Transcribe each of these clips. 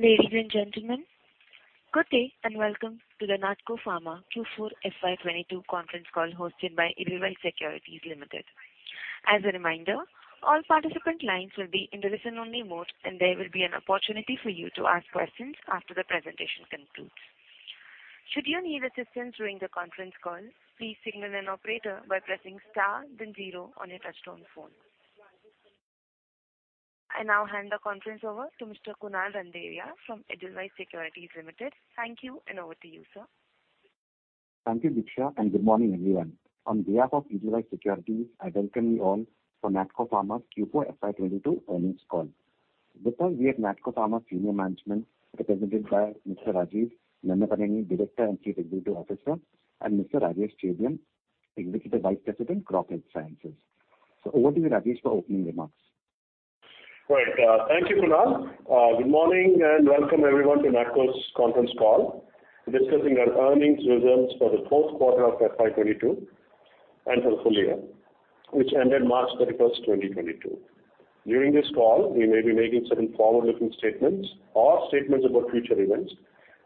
Ladies and gentlemen, good day and welcome to the NATCO Pharma Q4 FY2022 conference call hosted by Edelweiss Securities Limited. As a reminder, all participant lines will be in the listen-only mode, and there will be an opportunity for you to ask questions after the presentation concludes. Should you need assistance during the conference call, please signal an operator by pressing star then zero on your touch-tone phone. I now hand the conference over to Mr. Kunal Randeria from Edelweiss Securities Limited. Thank you, and over to you, sir. Thank you, Diksha, and good morning, everyone. On behalf of Edelweiss Securities, I welcome you all for NATCO Pharma's Q4 FY2022 earnings call. With us, we have NATCO Pharma senior management represented by Mr. Rajeev Nannapaneni, Director and Chief Executive Officer, and Mr. Rajesh Chebiyam, Executive Vice President, Crop Health Sciences. Over to you, Rajesh, for opening remarks. Right. Thank you, Kunal. Good morning and welcome everyone to NATCO's conference call discussing our earnings results for the fourth quarter of FY2022 and for the full year, which ended March 31, 2022. During this call, we may be making certain forward-looking statements or statements about future events.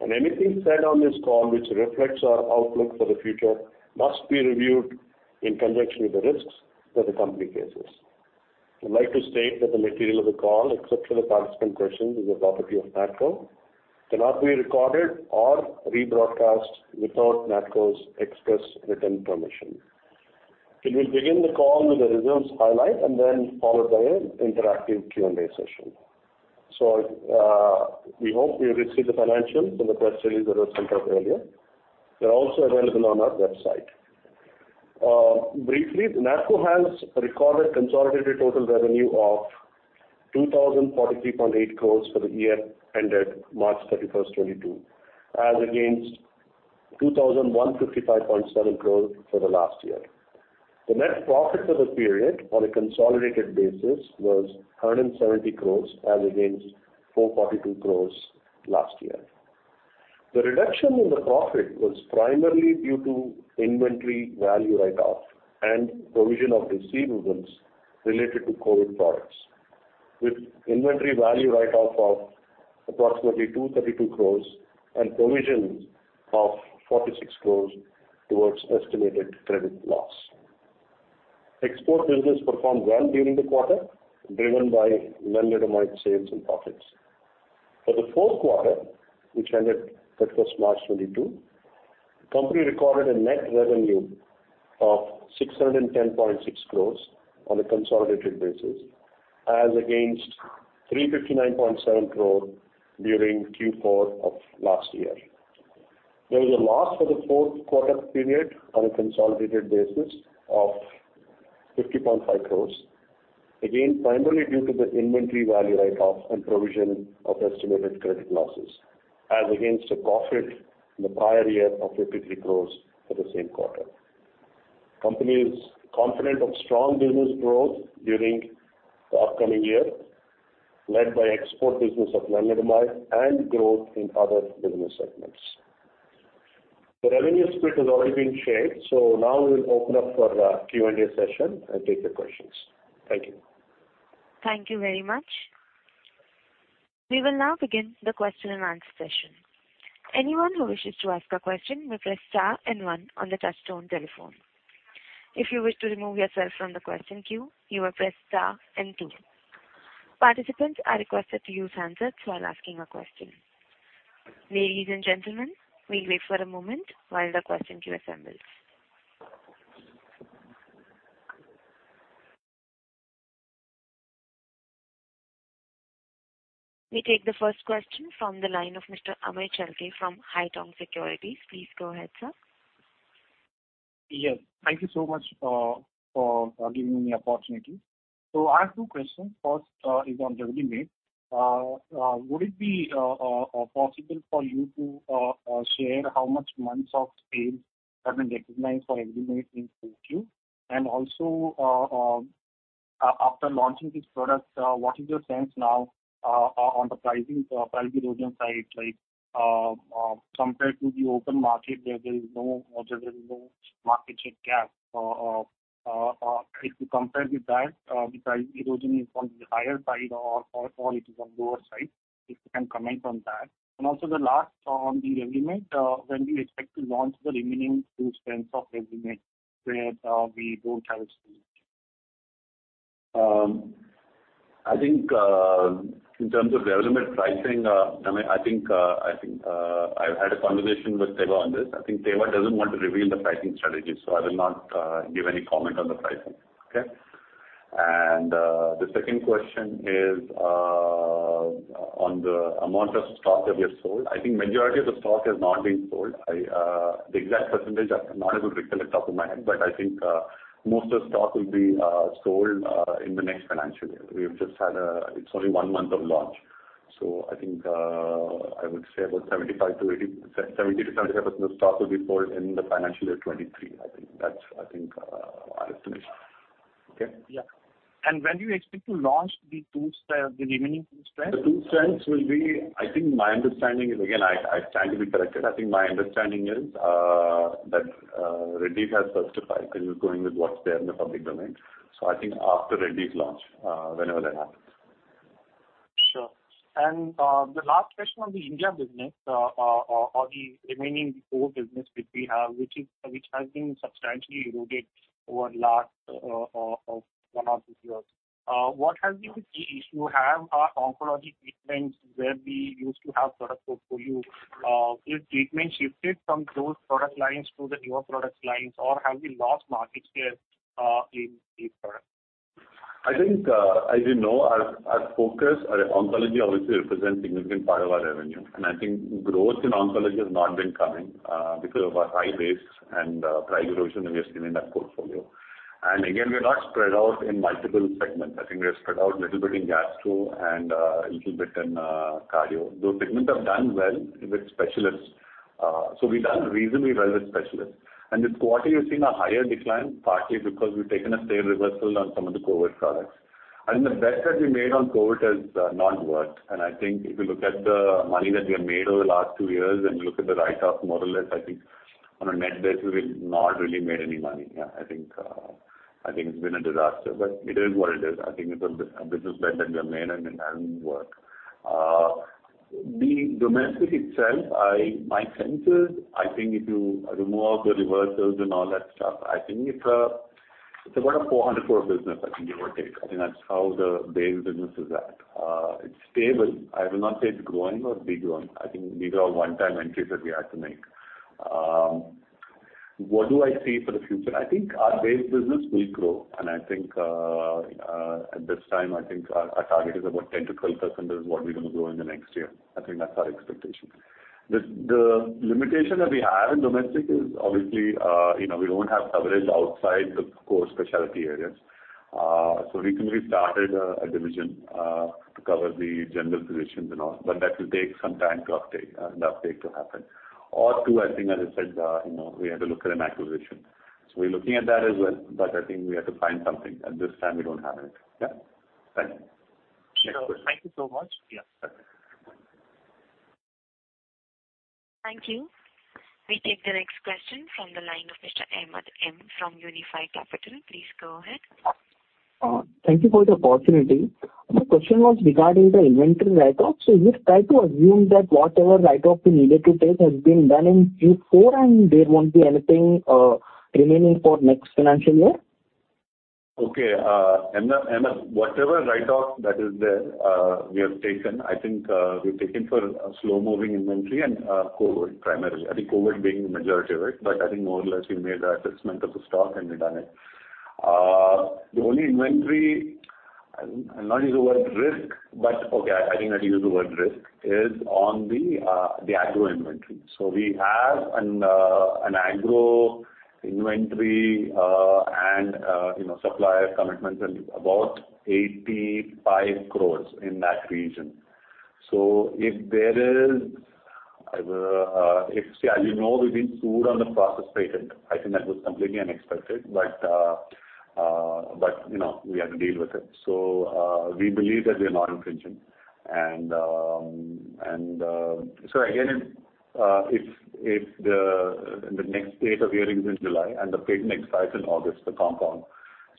Anything said on this call which reflects our outlook for the future must be reviewed in conjunction with the risks that the company faces. I'd like to state that the material of the call, except for the participant questions, is the property of NATCO, cannot be recorded or rebroadcast without NATCO's express written permission. We'll begin the call with the results highlight and then followed by an interactive Q&A session. We hope you received the financials in the press release that was sent out earlier. They're also available on our website. Briefly, NATCO has recorded consolidated total revenue of 2,043.8 crore for the year ended March 31, 2022, as against 2,155.7 crore for the last year. The net profit for the period on a consolidated basis was 170 crore as against 442 crore last year. The reduction in the profit was primarily due to inventory value write-off and provision of receivables related to COVID products, with inventory value write-off of approximately 232 crore and provision of 46 crore towards expected credit loss. Export business performed well during the quarter, driven by lenalidomide sales and profits. For the fourth quarter, which ended March 31, 2022, the company recorded a net revenue of 610.6 crore on a consolidated basis as against 359.7 crore during Q4 of last year. There was a loss for the fourth quarter period on a consolidated basis of 50.5 crore, again, primarily due to the inventory value write-off and provision of estimated credit losses, as against a profit in the prior year of rupees 53 crore for the same quarter. Company is confident of strong business growth during the upcoming year, led by export business of lenalidomide and growth in other business segments. The revenue split has already been shared. Now we will open up for the Q&A session and take the questions. Thank you. Thank you very much. We will now begin the question and answer session. Anyone who wishes to ask a question will press star and one on the touchtone telephone. If you wish to remove yourself from the question queue, you will press star and two. Participants are requested to use handsets while asking a question. Ladies and gentlemen, we wait for a moment while the question queue assembles. We take the first question from the line of Mr. Amey Chalke from Haitong Securities. Please go ahead, sir. Yes. Thank you so much for giving me opportunity. I have two questions. First is on Revlimid. Would it be possible for you to share how much months of sales have been recognized for Revlimid in Q2? And also, after launching these products, what is your sense now on the pricing, price erosion side? Like, compared to the open market where there is no market share gap, if you compare with that, the price erosion is on the higher side or it is on lower side, if you can comment on that. And also the last on the Revlimid, when do you expect to launch the remaining two strengths of Revlimid where we don't have it still? I think, in terms of Revlimid pricing, Amit, I've had a conversation with Teva on this. I think Teva doesn't want to reveal the pricing strategy, so I will not give any comment on the pricing. Okay. The second question is on the amount of stock that we have sold. I think majority of the stock has not been sold. The exact percentage I'm not able to recall it off the top of my head, but I think most of the stock will be sold in the next financial year. It's only one month of launch, so I think I would say about 75%-80%, 70%-75% of stock will be sold in the financial year 2023, I think. That's, I think, our estimation. Okay. Yeah. When do you expect to launch the remaining two strengths? The two strengths will be. I think my understanding is, again, I stand to be corrected. I think my understanding is, that Dr. Reddy's has first to file because we're going with what's there in the public domain. I think after Dr. Reddy's launch, whenever that happens. The last question on the India business, or the remaining core business which we have, which has been substantially eroded over the last one or two years. What has been the key issue? Have our oncology treatments where we used to have product portfolio, if treatment shifted from those product lines to the newer product lines, or have we lost market share in these products? I think, as you know, our focus, our oncology obviously represents significant part of our revenue. I think growth in oncology has not been coming, because of our high base and, price erosion that we have seen in that portfolio. Again, we are not spread out in multiple segments. I think we are spread out a little bit in gastro and, a little bit in, cardio. Those segments have done well with specialists. So we've done reasonably well with specialists. This quarter, you've seen a higher decline, partly because we've taken a sale reversal on some of the COVID products. I think the bet that we made on COVID has not worked. I think if you look at the money that we have made over the last two years and look at the write-off more or less, I think on a net basis, we've not really made any money. Yeah, I think it's been a disaster, but it is what it is. I think it's a business bet that we have made and it hasn't worked. The domestic itself, my sense is, I think if you remove the reversals and all that stuff, I think it's about 400 crore business, I think, give or take. I think that's how the base business is at. It's stable. I will not say it's growing or de-growing. I think these are one-time entries that we had to make. What do I see for the future? I think our base business will grow. I think at this time I think our target is about 10%-12% is what we're gonna grow in the next year. I think that's our expectation. The limitation that we have in domestic is obviously you know we don't have coverage outside the core specialty areas. So recently we started a division to cover the general physicians and all but that will take some time to update the update to happen. Or two I think as I said you know we had to look at an acquisition. So we're looking at that as well. But I think we have to find something. At this time we don't have it. Yeah. Thanks. Sure. Thank you so much. Yeah. Okay. Thank you. We take the next question from the line of Mr. Ahmed M. from Unifi Capital. Please go ahead. Thank you for the opportunity. My question was regarding the inventory write-off. You try to assume that whatever write-off you needed to take has been done in Q4, and there won't be anything remaining for next financial year? Okay. Ahmed, whatever write-off that is there, we have taken, I think, we've taken for a slow-moving inventory and COVID primarily. I think COVID being the majority of it, but I think more or less we made the assessment of the stock, and we've done it. The only inventory, I'll not use the word risk, but okay, I think I'll use the word risk, is on the agro inventory. We have an agro inventory, and you know, supplier commitments and about 85 crore in that region. As you know, we've been sued on the process patent. I think that was completely unexpected. You know, we have to deal with it. We believe that we are not infringing. If the next date of hearing is in July and the patent expires in August, the compound,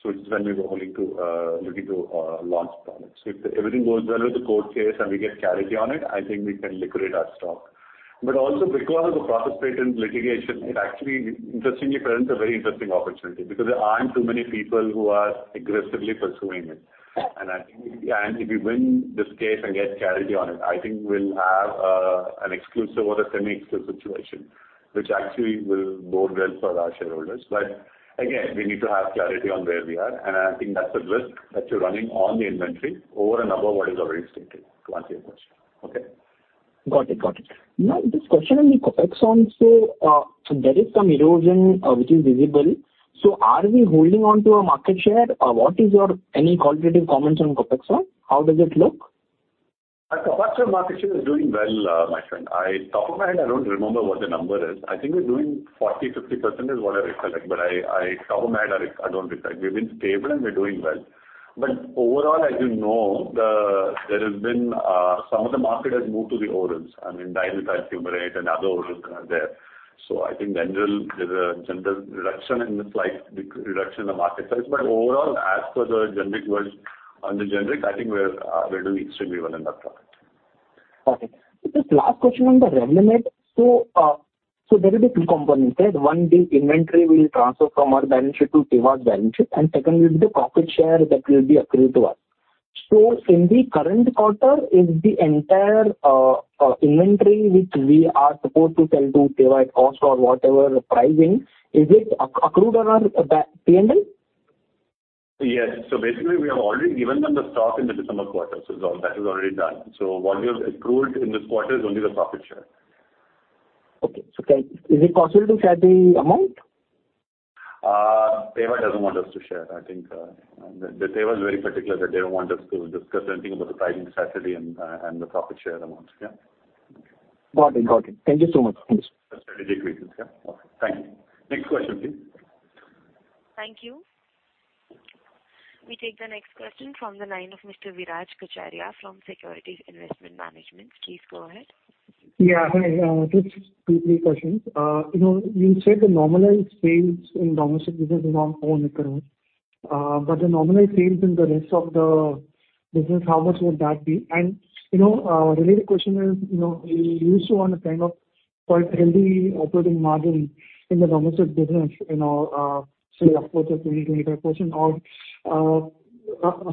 so it's when we're looking to launch products. If everything goes well with the court case and we get clarity on it, I think we can liquidate our stock. Also because of the process patent litigation, it actually interestingly presents a very interesting opportunity because there aren't too many people who are aggressively pursuing it. I think if we win this case and get clarity on it, I think we'll have an exclusive or a semi-exclusive situation, which actually will bode well for our shareholders. Again, we need to have clarity on where we are. I think that's the risk that you're running on the inventory over and above what is already stated to answer your question. Okay. Got it. Now, just a question on the Copaxone. There is some erosion, which is visible. Are we holding on to our market share? Any qualitative comments on Copaxone? How does it look? Our Copaxone market share is doing well, my friend. Top of mind, I don't remember what the number is. I think we're doing 40%-50% is what I recollect. Top of mind, I don't recollect. We've been stable, and we're doing well. Overall, as you know, there has been some of the market has moved to the orals. I mean, dimethyl fumarate and other orals are there. I think there's a general reduction in the slight reduction in the market size. Overall, as for the generic world, on the generic, I think we're doing extremely well in that product. Okay. Just last question on the Revlimid. There will be two components, right? One, the inventory will transfer from our balance sheet to Teva's balance sheet, and second will be the profit share that will be accrued to us. In the current quarter, is the entire inventory which we are supposed to sell to Teva at cost or whatever pricing, is it accrued on our P&L? Yes. Basically, we have already given them the stock in the December quarter. It's all that is already done. What we have accrued in this quarter is only the profit share. Okay. Is it possible to share the amount? Teva doesn't want us to share. I think, Teva is very particular that they don't want us to discuss anything about the pricing strategy and the profit share amounts. Got it. Thank you so much. Thanks. That's strategic reasons, yeah. Okay. Thank you. Next question, please. Thank you. We take the next question from the line of Mr. Viraj Kacharia from Securities Investment Management. Please go ahead. Yeah. Hi. Just two, three questions. You know, you said the normalized sales in domestic business is around INR 400 crores. The normalized sales in the rest of the business, how much would that be? You know, related question is, you know, we used to want a kind of quite healthy operating margin in the domestic business, you know, say upwards of 20% to 25%.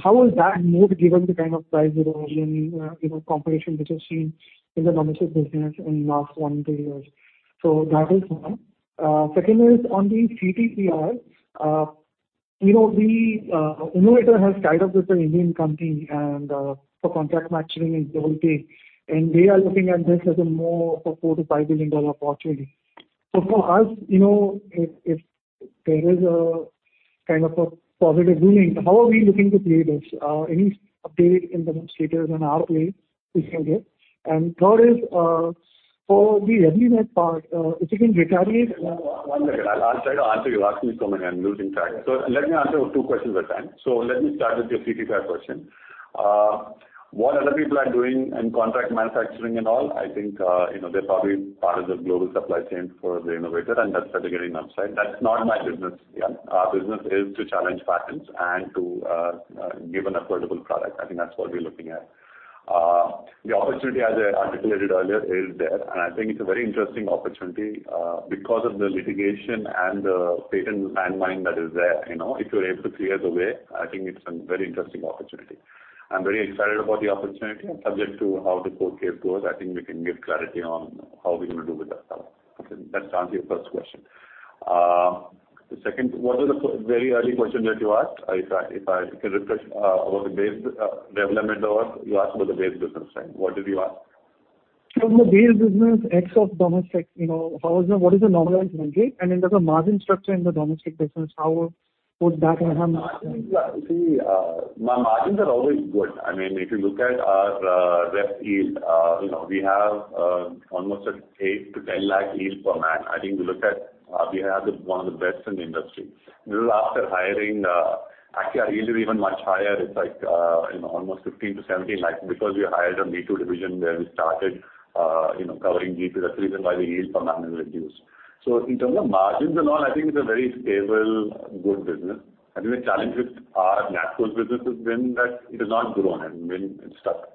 How is that moved given the kind of price erosion, you know, competition which you've seen in the domestic business in last 1-2 years? That is one. Second is on the CTPRs. You know, Innovator has tied up with an Indian company and for contract manufacturing in Delhi. They are looking at this as more of a $4 billion-$5 billion opportunity. For us, you know, if there is a kind of a positive ruling, how are we looking to play this? Any update on the mix status on our play we can get? Third is, for the Revlimid part, if you can reiterate. One second. I'll try to answer. You're asking me so many, I'm losing track. Let me answer two questions at a time. Let me start with your CTPR question. What other people are doing in contract manufacturing and all, I think, you know, they're probably part of the global supply chain for the Innovator, and that's why they're getting upside. That's not my business. Yeah. Our business is to challenge patents and to give an affordable product. I think that's what we're looking at. The opportunity, as I articulated earlier, is there, and I think it's a very interesting opportunity because of the litigation and the patent landmine that is there. You know, if you're able to clear the way, I think it's a very interesting opportunity. I'm very excited about the opportunity and subject to how the court case goes, I think we can give clarity on how we're gonna do with that product. That answers your first question. The second, what was the very early question that you asked? If I can refresh, about the base, Revlimid or you asked about the base business, right? What did you ask? From the base business ex of domestic, you know, what is the normalized margin? In terms of margin structure in the domestic business, how would that have- See, my margins are always good. I mean, if you look at our, rep yield, you know, we have, almost 8 lakh to 10 lakh yield per man. I think if you look at, we have one of the best in the industry. This is after hiring, actually our yield is even much higher. It's like, you know, almost 15 lakh to 17 lakh because we hired a me-too division where we started, you know, covering GPs. That's the reason why the yield per man has reduced. In terms of margins and all, I think it's a very stable, good business. I think the challenge with our NATCO's business has been that it has not grown and been stuck.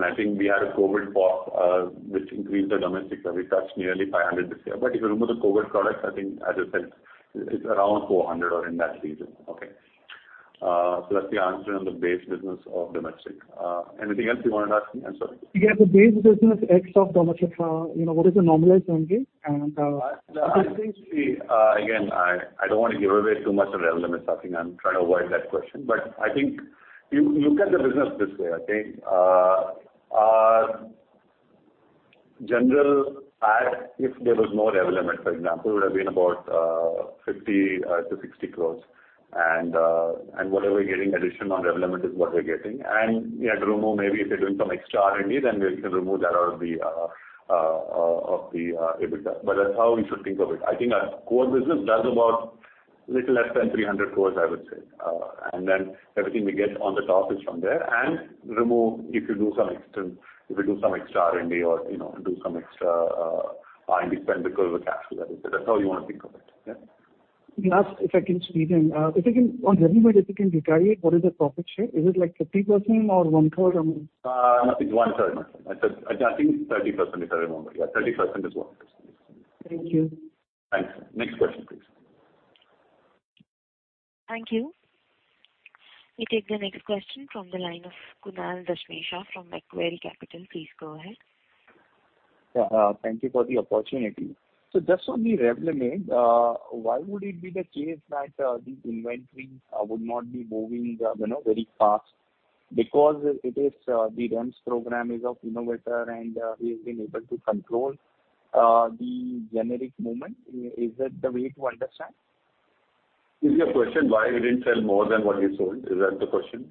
I think we had a COVID pop, which increased the domestic that we touched nearly 500 this year. If you remove the COVID products, I think as I said, it's around 400 or in that region. Okay. That's the answer on the base business of domestic. Anything else you wanted to ask me? I'm sorry. Yeah, the base business ex of domestic, you know, what is the normalized margin? I think again, I don't want to give away too much on Revlimid. I think I'm trying to avoid that question. I think you look at the business this way. I think, if there was no Revlimid, for example, would have been about 50-60 crores. Whatever we're getting additional Revlimid is what we're getting. You have to remove maybe if you're doing some extra R&D, then we can remove that out of the EBITDA. That's how we should think of it. I think our core business does about little less than 300 crores, I would say. Then everything we get on the top is from there. Remove if you do some extra R&D or, you know, do some extra R&D spend because of the cash flow that is there. That's how you want to think of it. Yeah. Last, if I can squeeze in. If you can, on Revlimid, if you can reiterate what is the profit share? Is it like 30% or 1/3 or more? It's one-third. I said, I think 30% if I remember. Yeah, 30% is what. Thank you. Thanks. Next question, please. Thank you. We take the next question from the line of Kunal Dhamesha from Macquarie Capital. Please go ahead. Yeah. Thank you for the opportunity. Just on the Revlimid, why would it be the case that, the inventory, would not be moving, you know, very fast? Because it is, the REMS program is of Innovator, and, he has been able to control the generic movement. Is that the way to understand? Is your question why we didn't sell more than what we sold? Is that the question?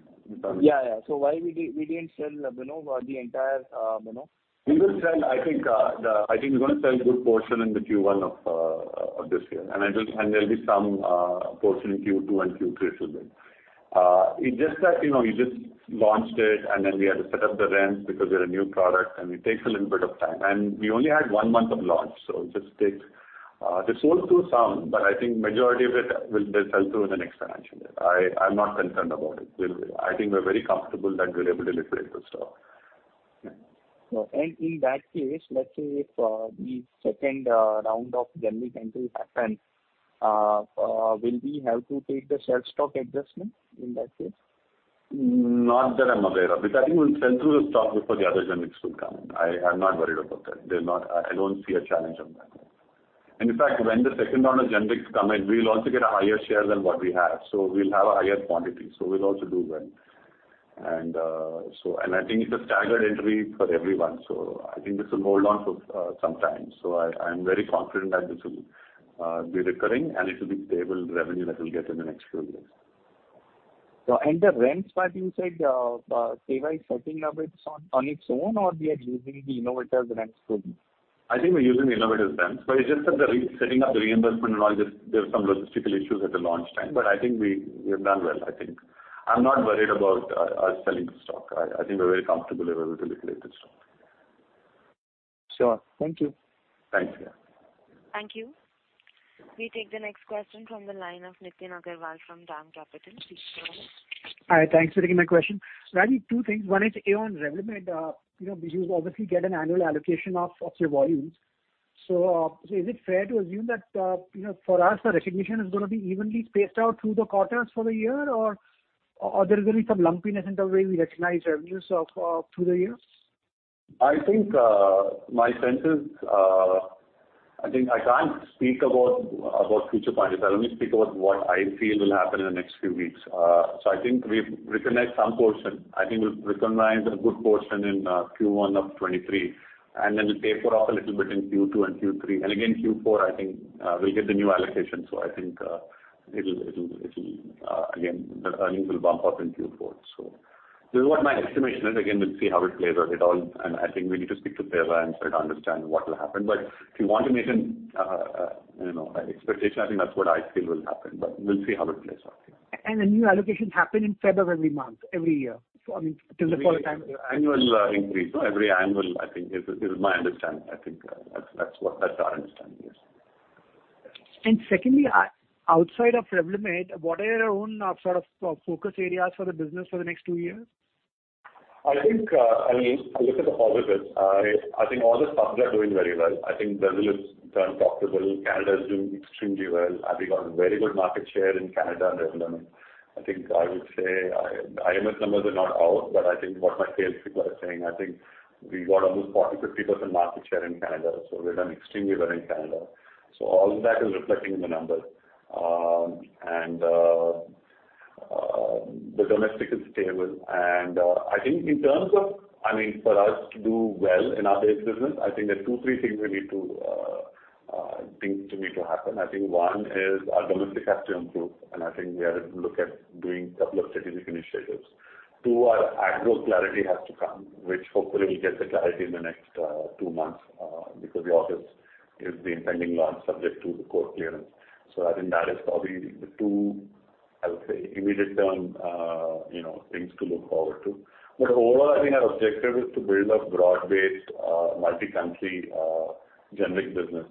Yeah, yeah. Why we didn't sell, you know, the entire, you know? We will sell, I think. I think we're gonna sell a good portion in Q1 of this year. There'll be some portion in Q2 and Q3 as well. It's just that, you know, you just launched it, and then we had to set up the REMS because they're a new product and it takes a little bit of time. We only had one month of launch, so it just takes. They sold through some, but I think majority of it will sell through in the next financial year. I'm not concerned about it. We'll. I think we're very comfortable that we're able to liquidate the stock. In that case, let's say if the second round of generic entry happens, will we have to take the shelf stock adjustment in that case? Not that I'm aware of. I think we'll sell through the stock before the other generics will come in. I'm not worried about that. I don't see a challenge on that. In fact, when the second round of generics come in, we'll also get a higher share than what we have. We'll have a higher quantity, so we'll also do well. I think it's a staggered entry for everyone. I think this will hold on for some time. I'm very confident that this will be recurring and it will be stable revenue that we'll get in the next few years. The REMS part you said, is by setting up its own or we are using the Innovator's REMS program? I think we're using the Innovator's REMS, but it's just that setting up the reimbursement and all, there's some logistical issues at the launch time. I think we have done well, I think. I'm not worried about us selling the stock. I think we're very comfortable we're able to liquidate the stock. Sure. Thank you. Thanks. Thank you. We take the next question from the line of Nitin Agarwal from DAM Capital. Please go ahead. Hi, thanks for taking my question. Rajeev, two things. One is on Revlimid, you know, because you obviously get an annual allocation of your volumes. So, is it fair to assume that, you know, for us, the recognition is gonna be evenly spaced out through the quarters for the year or there is gonna be some lumpiness in the way we recognize revenues through the year? I think I can't speak about future pointers. I only speak about what I feel will happen in the next few weeks. I think we've recognized some portion. I think we've recognized a good portion in Q1 of 2023, and then we'll taper off a little bit in Q2 and Q3. Again, Q4, I think we'll get the new allocation, so I think it'll again, the earnings will bump up in Q4. This is what my estimation is. Again, we'll see how it plays out at all, and I think we need to speak to Teva and sort of understand what will happen. But if you want to make you know an expectation, I think that's what I feel will happen. We'll see how it plays out, I think. The new allocations happen in February month, every year. I mean, till the fourth time- Annual increase. Every annual, I think is my understanding. I think, that's what our understanding, yes. Secondly, outside of Revlimid, what are your own sort of focus areas for the business for the next two years? I think, I mean, I look at the positives. I think all the subs are doing very well. I think Brazil has turned profitable. Canada is doing extremely well. I think we've got a very good market share in Canada Revlimid. I think I would say IMS numbers are not out, but I think what my sales people are saying, I think we've got almost 40%-50% market share in Canada. We've done extremely well in Canada. All of that is reflecting in the numbers. The domestic is stable. I think in terms of, I mean, for us to do well in our base business, I think there are two, three things we need to happen. I think one is our domestic has to improve, and I think we have to look at doing couple of strategic initiatives. Two, our agro clarity has to come, which hopefully we'll get the clarity in the next two months, because the offer is the impending launch subject to the court clearance. I think that is probably the two, I would say, immediate term, you know, things to look forward to. Overall, I think our objective is to build a broad-based, multi-country, generic business.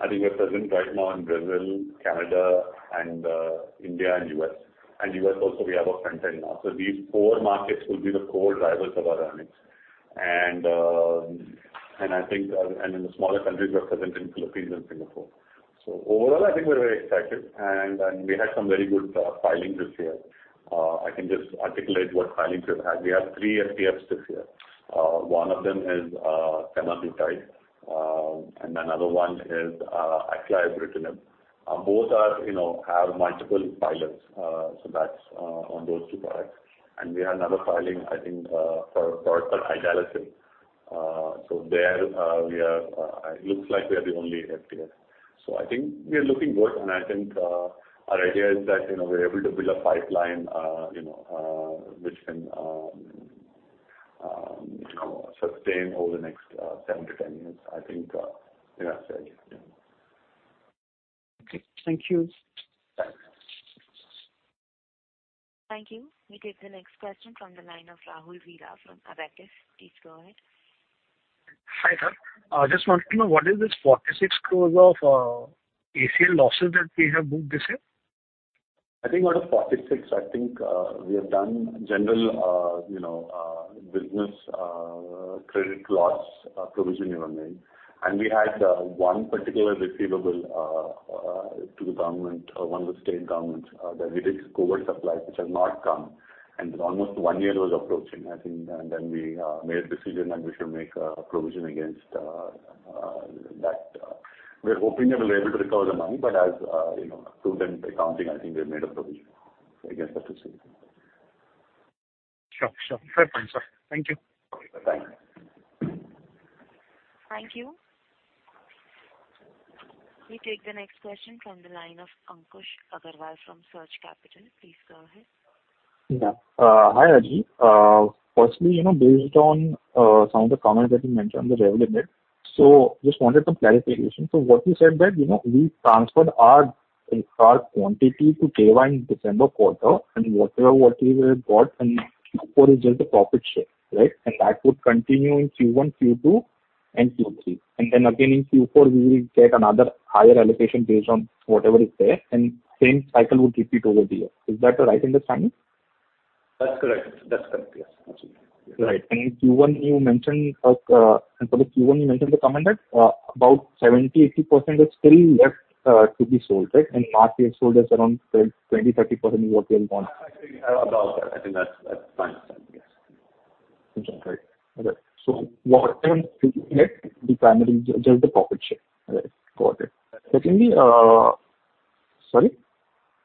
I think we're present right now in Brazil, Canada, India, and U.S. U.S. also we have a front end now. These four markets will be the core drivers of our earnings. I think in the smaller countries, we are present in Philippines and Singapore. Overall, I think we're very excited and we had some very good filings this year. I can just articulate what filings we've had. We have three FTFs this year. One of them is semaglutide, and another one is acalabrutinib. Both are, you know, have multiple patents, so that's on those two products. We have another filing, I think, for a product called olaparib. It looks like we are the only FTF. I think we are looking good, and I think our idea is that, you know, we're able to build a pipeline, you know, which can, you know, sustain over the next 7-10 years. I think we are fairly set. Okay. Thank you. Bye. Thank you. We take the next question from the line of Rahul Veera from Abakkus. Please go ahead. Hi, sir. I just want to know what is this 46 crore of ECL losses that we have booked this year? I think out of 46 crore, we have done general, you know, business credit loss provision you were making. We had one particular receivable to the government, one of the state governments, that we did COVID supplies which have not come. Almost one year was approaching, I think, and then we made a decision that we should make a provision against that. We're hoping that we'll be able to recover the money, but as you know, prudent accounting, I think we've made a provision against that receipt. Sure. Sure. Fair point, sir. Thank you. Okay. Bye. Thank you. We take the next question from the line of Ankush Agarwal from Surge Capital. Please go ahead. Yeah. Hi, Rajeev. Firstly, you know, based on some of the comments that you made on the Revlimid, just wanted some clarification. What you said that, you know, we transferred our quantity to KY in December quarter, and whatever we got in Q4 is just a profit share, right? And that would continue in Q1, Q2, and Q3. Then again, in Q4, we will get another higher allocation based on whatever is there, and same cycle would repeat over the year. Is that the right understanding? That's correct, yes. Right. In Q1, you mentioned the comment that about 70%-80% is still left to be sold, right? Last year sold is around 20%-30% what we have bought. Actually, about that. I think that's fine. Yes. Okay. Great. What I'm thinking is the primary is just the profit share. Right. Got it. Secondly, Sorry?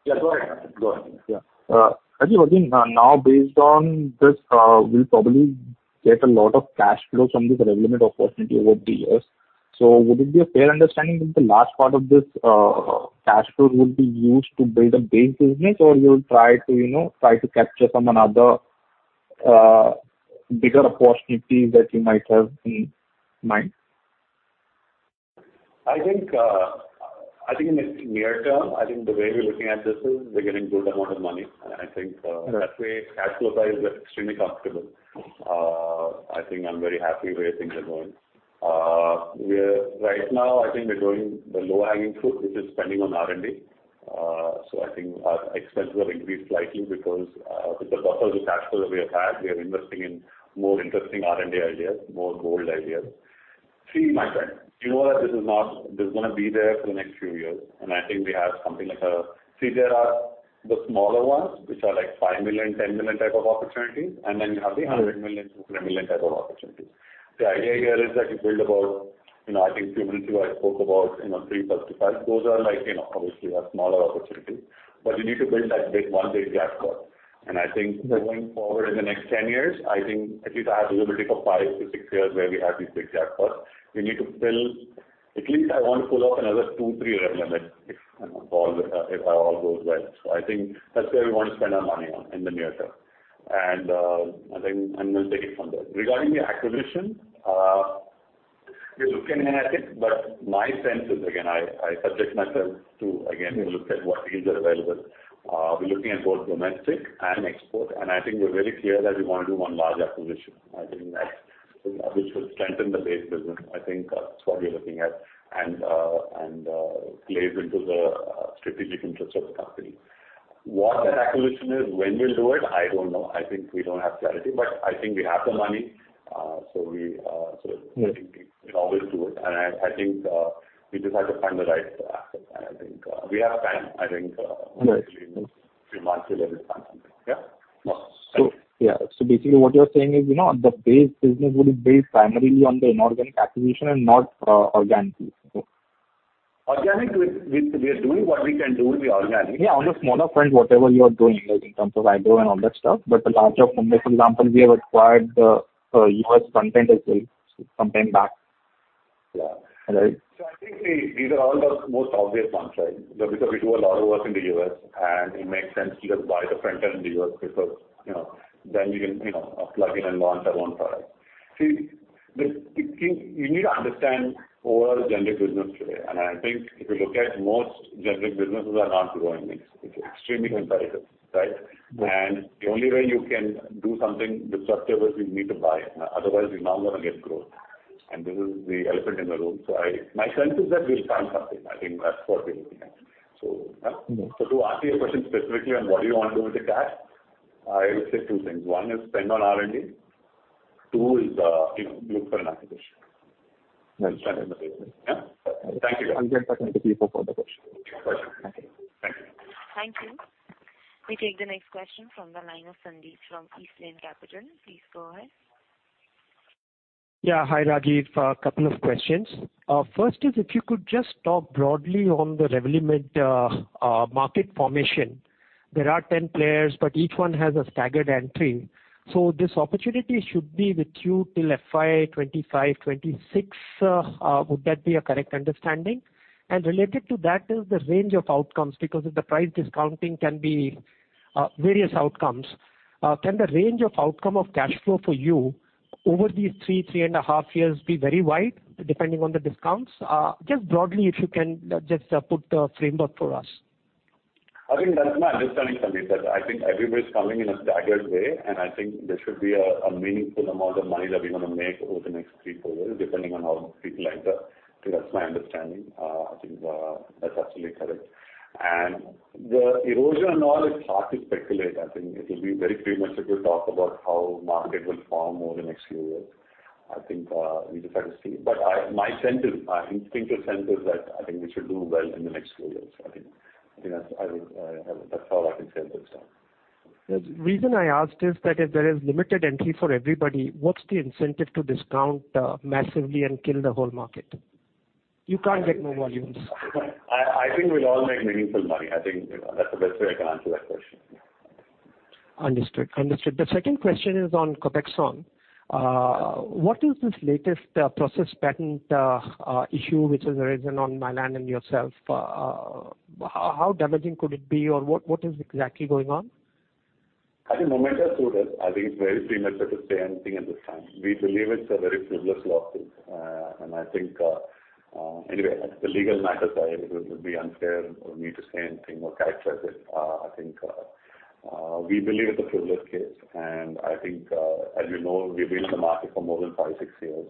Yeah, go ahead. Go ahead. Yeah. Rajeev, again, now based on this, we'll probably get a lot of cash flows from this Revlimid opportunity over the years. Would it be a fair understanding that the large part of this cash flow would be used to build a base business or you'll try to, you know, try to capture some other bigger opportunity that you might have in mind? I think in the near term, I think the way we're looking at this is we're getting good amount of money. I think that way cash flow-wise, we're extremely comfortable. I think I'm very happy the way things are going. Right now, I think we're doing the low-hanging fruit, which is spending on R&D. So I think our expenses will increase slightly because with the buffer, the cash flow that we have had, we are investing in more interesting R&D ideas, more bold ideas. See, my friend, you know that this is gonna be there for the next few years, and I think we have something like. See, there are the smaller ones, which are like 5 million, 10 million type of opportunities, and then you have the 100 million, 200 million type of opportunities. The idea here is that you build about, you know, I think a few months ago I spoke about, you know, three plus two plus. Those are like, you know, obviously smaller opportunities. You need to build that big one big jackpot. I think going forward in the next 10 years, I think at least I have visibility for 5-6 years where we have these big jackpots. We need to fill. At least I want to pull off another 2-3 Revlimids, if, you know, all goes well. I think that's where we want to spend our money on in the near term. We'll take it from there. Regarding the acquisition, we're looking, and I think. My sense is, again, I subject myself to, again, we looked at what deals are available. We're looking at both domestic and export, and I think we're very clear that we wanna do one large acquisition. I think that's, you know, which will strengthen the base business. I think that's what we're looking at and plays into the strategic interest of the company. What that acquisition is, when we'll do it, I don't know. I think we don't have clarity. I think we have the money, so I think we can always do it. I think we just have to find the right asset. I think we have time. I think actually three months we'll have the time for that. Yeah? Yeah. Basically what you're saying is, you know, the base business will be based primarily on the inorganic acquisition and not organic. Organic, we are doing what we can do with the organic. Yeah, on the smaller front, whatever you are doing, like in terms of agro and all that stuff. The larger. For example, we have acquired Dash Pharmaceuticals as well sometime back. Yeah. Right? I think these are all the most obvious ones, right? Because we do a lot of work in the US, and it makes sense to just buy the front end in the US because, you know, then we can, you know, plug in and launch our own product. See, the key, you need to understand overall generic business today. I think if you look at most generic businesses are not growing, it's extremely competitive, right? Right. The only way you can do something disruptive is you need to buy it. Otherwise, you're not gonna get growth. This is the elephant in the room. My sense is that we'll find something. I think that's what we're looking at. To answer your question specifically on what do you want to do with the cash, I will say two things. One is spend on R&D. Two is, you know, look for an acquisition. Understood. Thank you. 100% agree for the question. Thank you. Thank you. Thank you. We take the next question from the line of Sandeep from East Lane Capital. Please go ahead. Yeah. Hi, Rajeev. A couple of questions. First is if you could just talk broadly on the Revlimid market formation. There are ten players, but each one has a staggered entry. This opportunity should be with you till FY2025, FY2026. Would that be a correct understanding? Related to that is the range of outcomes, because if the price discounting can be various outcomes, can the range of outcome of cash flow for you over these three and a half years be very wide depending on the discounts? Just broadly, if you can just put the framework for us. I think that's my understanding, Sandeep. I think everybody's coming in a staggered way, and I think there should be a meaningful amount of money that we're gonna make over the next 3-4 years, depending on how people line up. I think that's my understanding. I think that's absolutely correct. The erosion and all is hard to speculate. I think it will be very premature to talk about how market will form over the next few years. I think we just have to see. My sense is, instinctual sense is that I think we should do well in the next few years, I think. That's all I can say at this time. The reason I asked is that if there is limited entry for everybody, what's the incentive to discount massively and kill the whole market? You can't get more volumes. I think we'll all make meaningful money. I think, you know, that's the best way I can answer that question. Understood. The second question is on Copaxone. What is this latest process patent issue which has arisen on Mylan and yourself? How damaging could it be or what is exactly going on? I think Momenta sued us. I think it's very premature to say anything at this time. We believe it's a very frivolous lawsuit. Anyway, it's a legal matter. It would be unfair for me to say anything or characterize it. We believe it's a frivolous case. I think, as you know, we've been in the market for more than 5-6 years.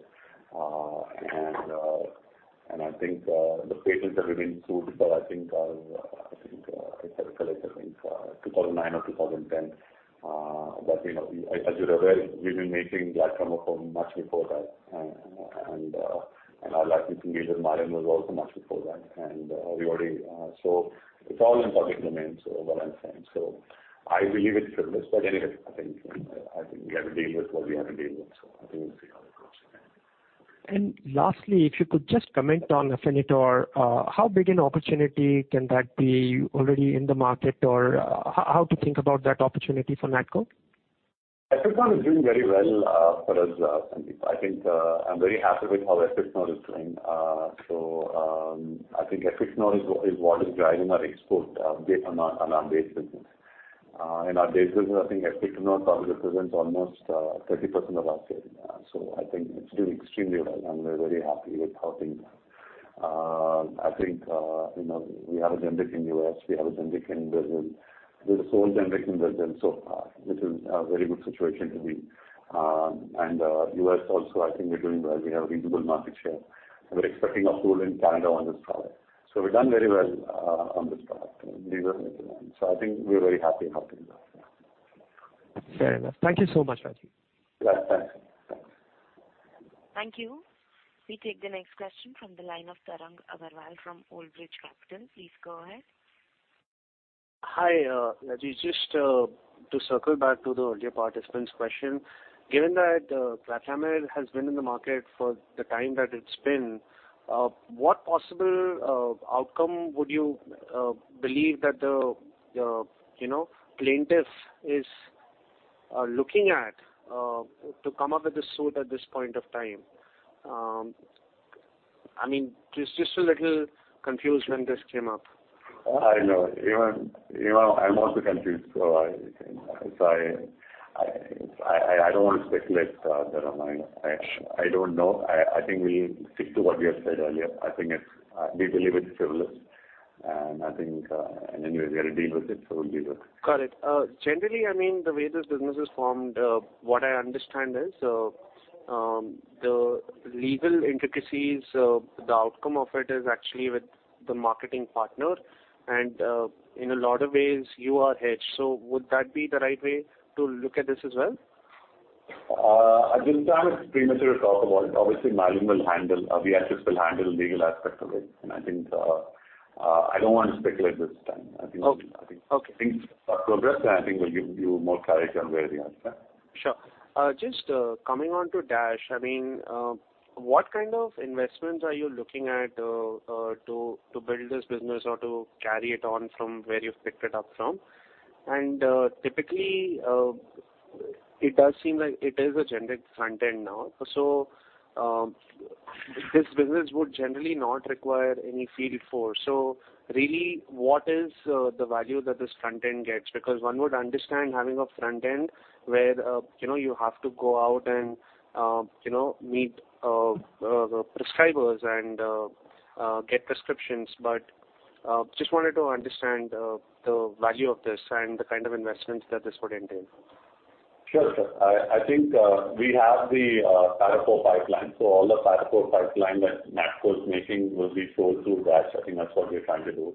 I think the patents that we've been sued for are, if I recollect, 2009 or 2010. But you know, as you're aware, we've been making glatiramer for much before that. Our licensing deal with Mylan was also much before that. It's all in public domain, is what I'm saying. I believe it's frivolous. Anyway, I think we have to deal with what we have to deal with. I think we'll see how it goes, yeah. Lastly, if you could just comment on Afinitor. How big an opportunity can that be already in the market? Or how to think about that opportunity for NATCO? Afinitor is doing very well for us, Sandeep. I think I'm very happy with how Afinitor is doing. I think Afinitor is what is driving our export based on our base business. In our business, I think Afinitor probably represents almost 30% of our sales. I think it's doing extremely well, and we're very happy with how things are. I think you know, we have a generic in U.S., we have a generic in Belgium. We're the sole generic in Belgium so far, which is a very good situation to be. And U.S. also, I think we're doing well. We have a reasonable market share, and we're expecting approval in Canada on this product. We've done very well on this product. We will make it known. I think we're very happy with how things are. Very well. Thank you so much, Rajeev. Yeah, thanks. Thanks. Thank you. We take the next question from the line of Tarang Agrawal from Old Bridge Capital. Please go ahead. Hi, Rajeev. Just to circle back to the earlier participant's question. Given that glatiramer has been in the market for the time that it's been, what possible outcome would you believe that the plaintiff is, you know, looking at to come up with a suit at this point of time? I mean, just a little confused when this came up. I know. Even, I'm also confused. I don't want to speculate, Tarang. I don't know. I think we'll stick to what we have said earlier. We believe it's frivolous, and I think, and anyway, we are to deal with it, so we'll deal with it. Got it. Generally, I mean, the way this business is formed, what I understand is, the legal intricacies, the outcome of it is actually with the marketing partner, and in a lot of ways you are hedged. Would that be the right way to look at this as well? At this time it's premature to talk about it. Obviously, Mylan will handle, or Viatris will handle the legal aspect of it. I think, I don't want to speculate this time. I think. Okay. As things progress, I think we'll give you more clarity on where the answer. Sure. Just coming on to Dash, I mean, what kind of investments are you looking at to build this business or to carry it on from where you've picked it up from? Typically, it does seem like it is a generic front end now. This business would generally not require any field force. Really, what is the value that this front end gets? Because one would understand having a front end where you know you have to go out and you know meet prescribers and get prescriptions. Just wanted to understand the value of this and the kind of investments that this would entail. Sure. I think we have the Para IV pipeline. All the Para IV pipeline that NATCO is making will be sold through Dash. I think that's what we're trying to do.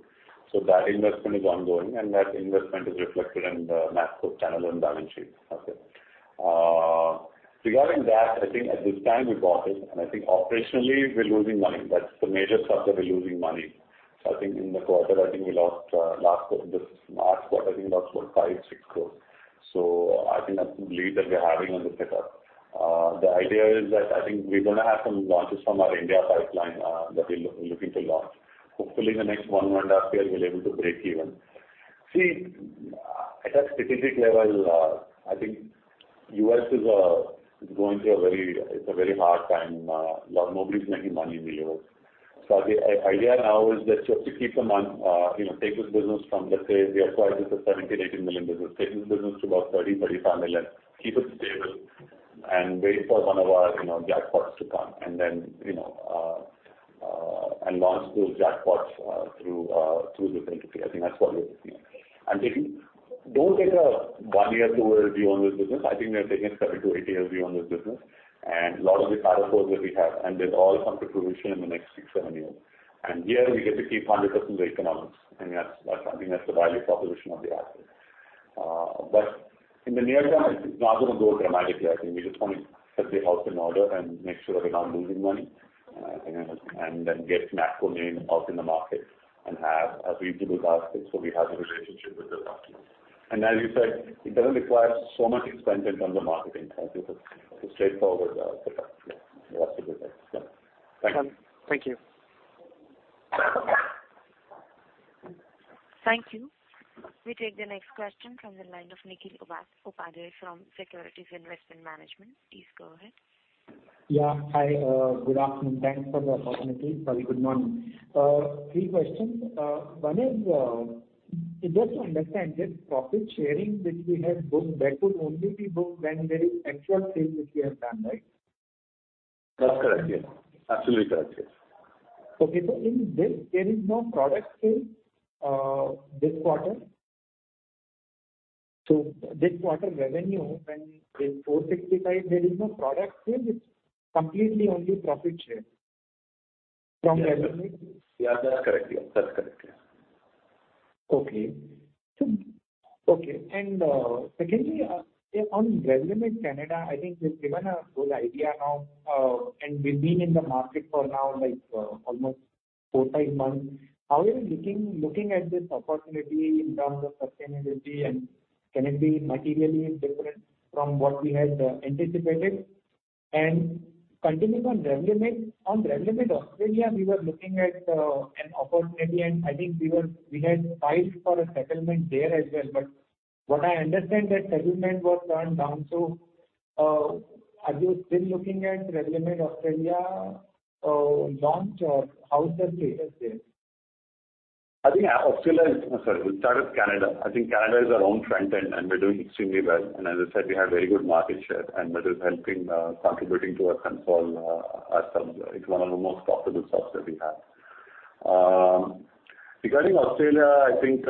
That investment is ongoing, and that investment is reflected in the NATCO's P&L and balance sheet. Okay. Regarding that, I think at this time we bought it, and I think operationally we're losing money. That's the major stuff, that we're losing money. I think in the quarter, I think we lost, this March quarter, I think we lost, what, 5 core-INR 6 crores. I think that's the belief that we're having on the setup. The idea is that I think we're gonna have some launches from our India pipeline, that we're looking to launch. Hopefully in the next one year in that scale, we'll be able to break even. See, at a strategic level, I think U.S. is going through a very hard time. It's a very hard time. Nobody's making money in Europe. The idea now is just to keep them on, you know, take this business from, let's say, we acquired this for $17 million-$18 million business. Take this business to about $30-$35 million, keep it stable, and wait for one of our, you know, jackpots to come and then, you know, and launch those jackpots through this entity. I think that's what we're looking at. Don't take a one-year view on this business. I think we have taken a 7-year to 8-year view on this business. A lot of the Para IVs that we have, and they'll all come to fruition in the next six, seven years. Here we get to keep 100% of the economics, and that's, I think that's the value proposition of the asset. In the near term, it's not gonna grow dramatically. I think we just want to set the house in order and make sure that we're not losing money, and then get NATCO name out in the market and have a reasonable basket so we have a relationship with the doctors. As you said, it doesn't require so much expense in terms of marketing. I think it's a straightforward setup. Yeah. That's the good thing. Yeah. Thank you. Thank you. Thank you. We take the next question from the line of Nikhil Upadhyay from Securities Investment Management. Please go ahead. Yeah. Hi. Good afternoon. Thanks for the opportunity. Sorry, good morning. Three questions. One is, just to understand this profit sharing which we have booked, that would only be booked when there is actual sales which we have done, right? That's correct, yeah. Absolutely correct, yeah. Okay. In this, there is no product sale this quarter. This quarter revenue is 465 crore, there is no product sale. It's completely only profit share from Revlimid. Yeah, that's correct, yeah. Okay. Secondly, on Revlimid Canada, I think you've given a good idea now, and we've been in the market for now like almost 4-5 months. How are you looking at this opportunity in terms of sustainability, and can it be materially different from what we had anticipated? Continuing on Revlimid, on Revlimid Australia, we were looking at an opportunity and I think we had filed for a settlement there as well. But what I understand that settlement was turned down. Are you still looking at Revlimid Australia launch or how is that status there? We'll start with Canada. I think Canada is our own front end, and we're doing extremely well. As I said, we have very good market share, and that is helping, contributing to our consolidated. It's one of the most profitable stocks that we have. Regarding Australia, I think,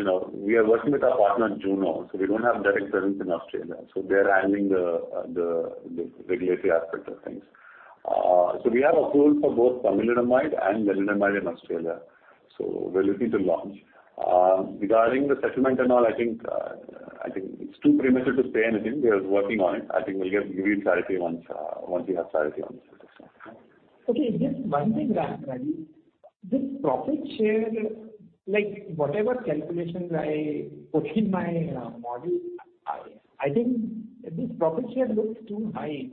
you know, we are working with our partner, Juno, so we don't have direct presence in Australia, so they're handling the regulatory aspect of things. So we have approved for both pomalidomide and lenalidomide in Australia, so we're looking to launch. Regarding the settlement and all, I think it's too premature to say anything. We are working on it. I think we'll give you clarity once we have clarity on this. Okay. Just one thing, Rajeev. This profit share, whatever calculations I put in my model, I think this profit share looks too high.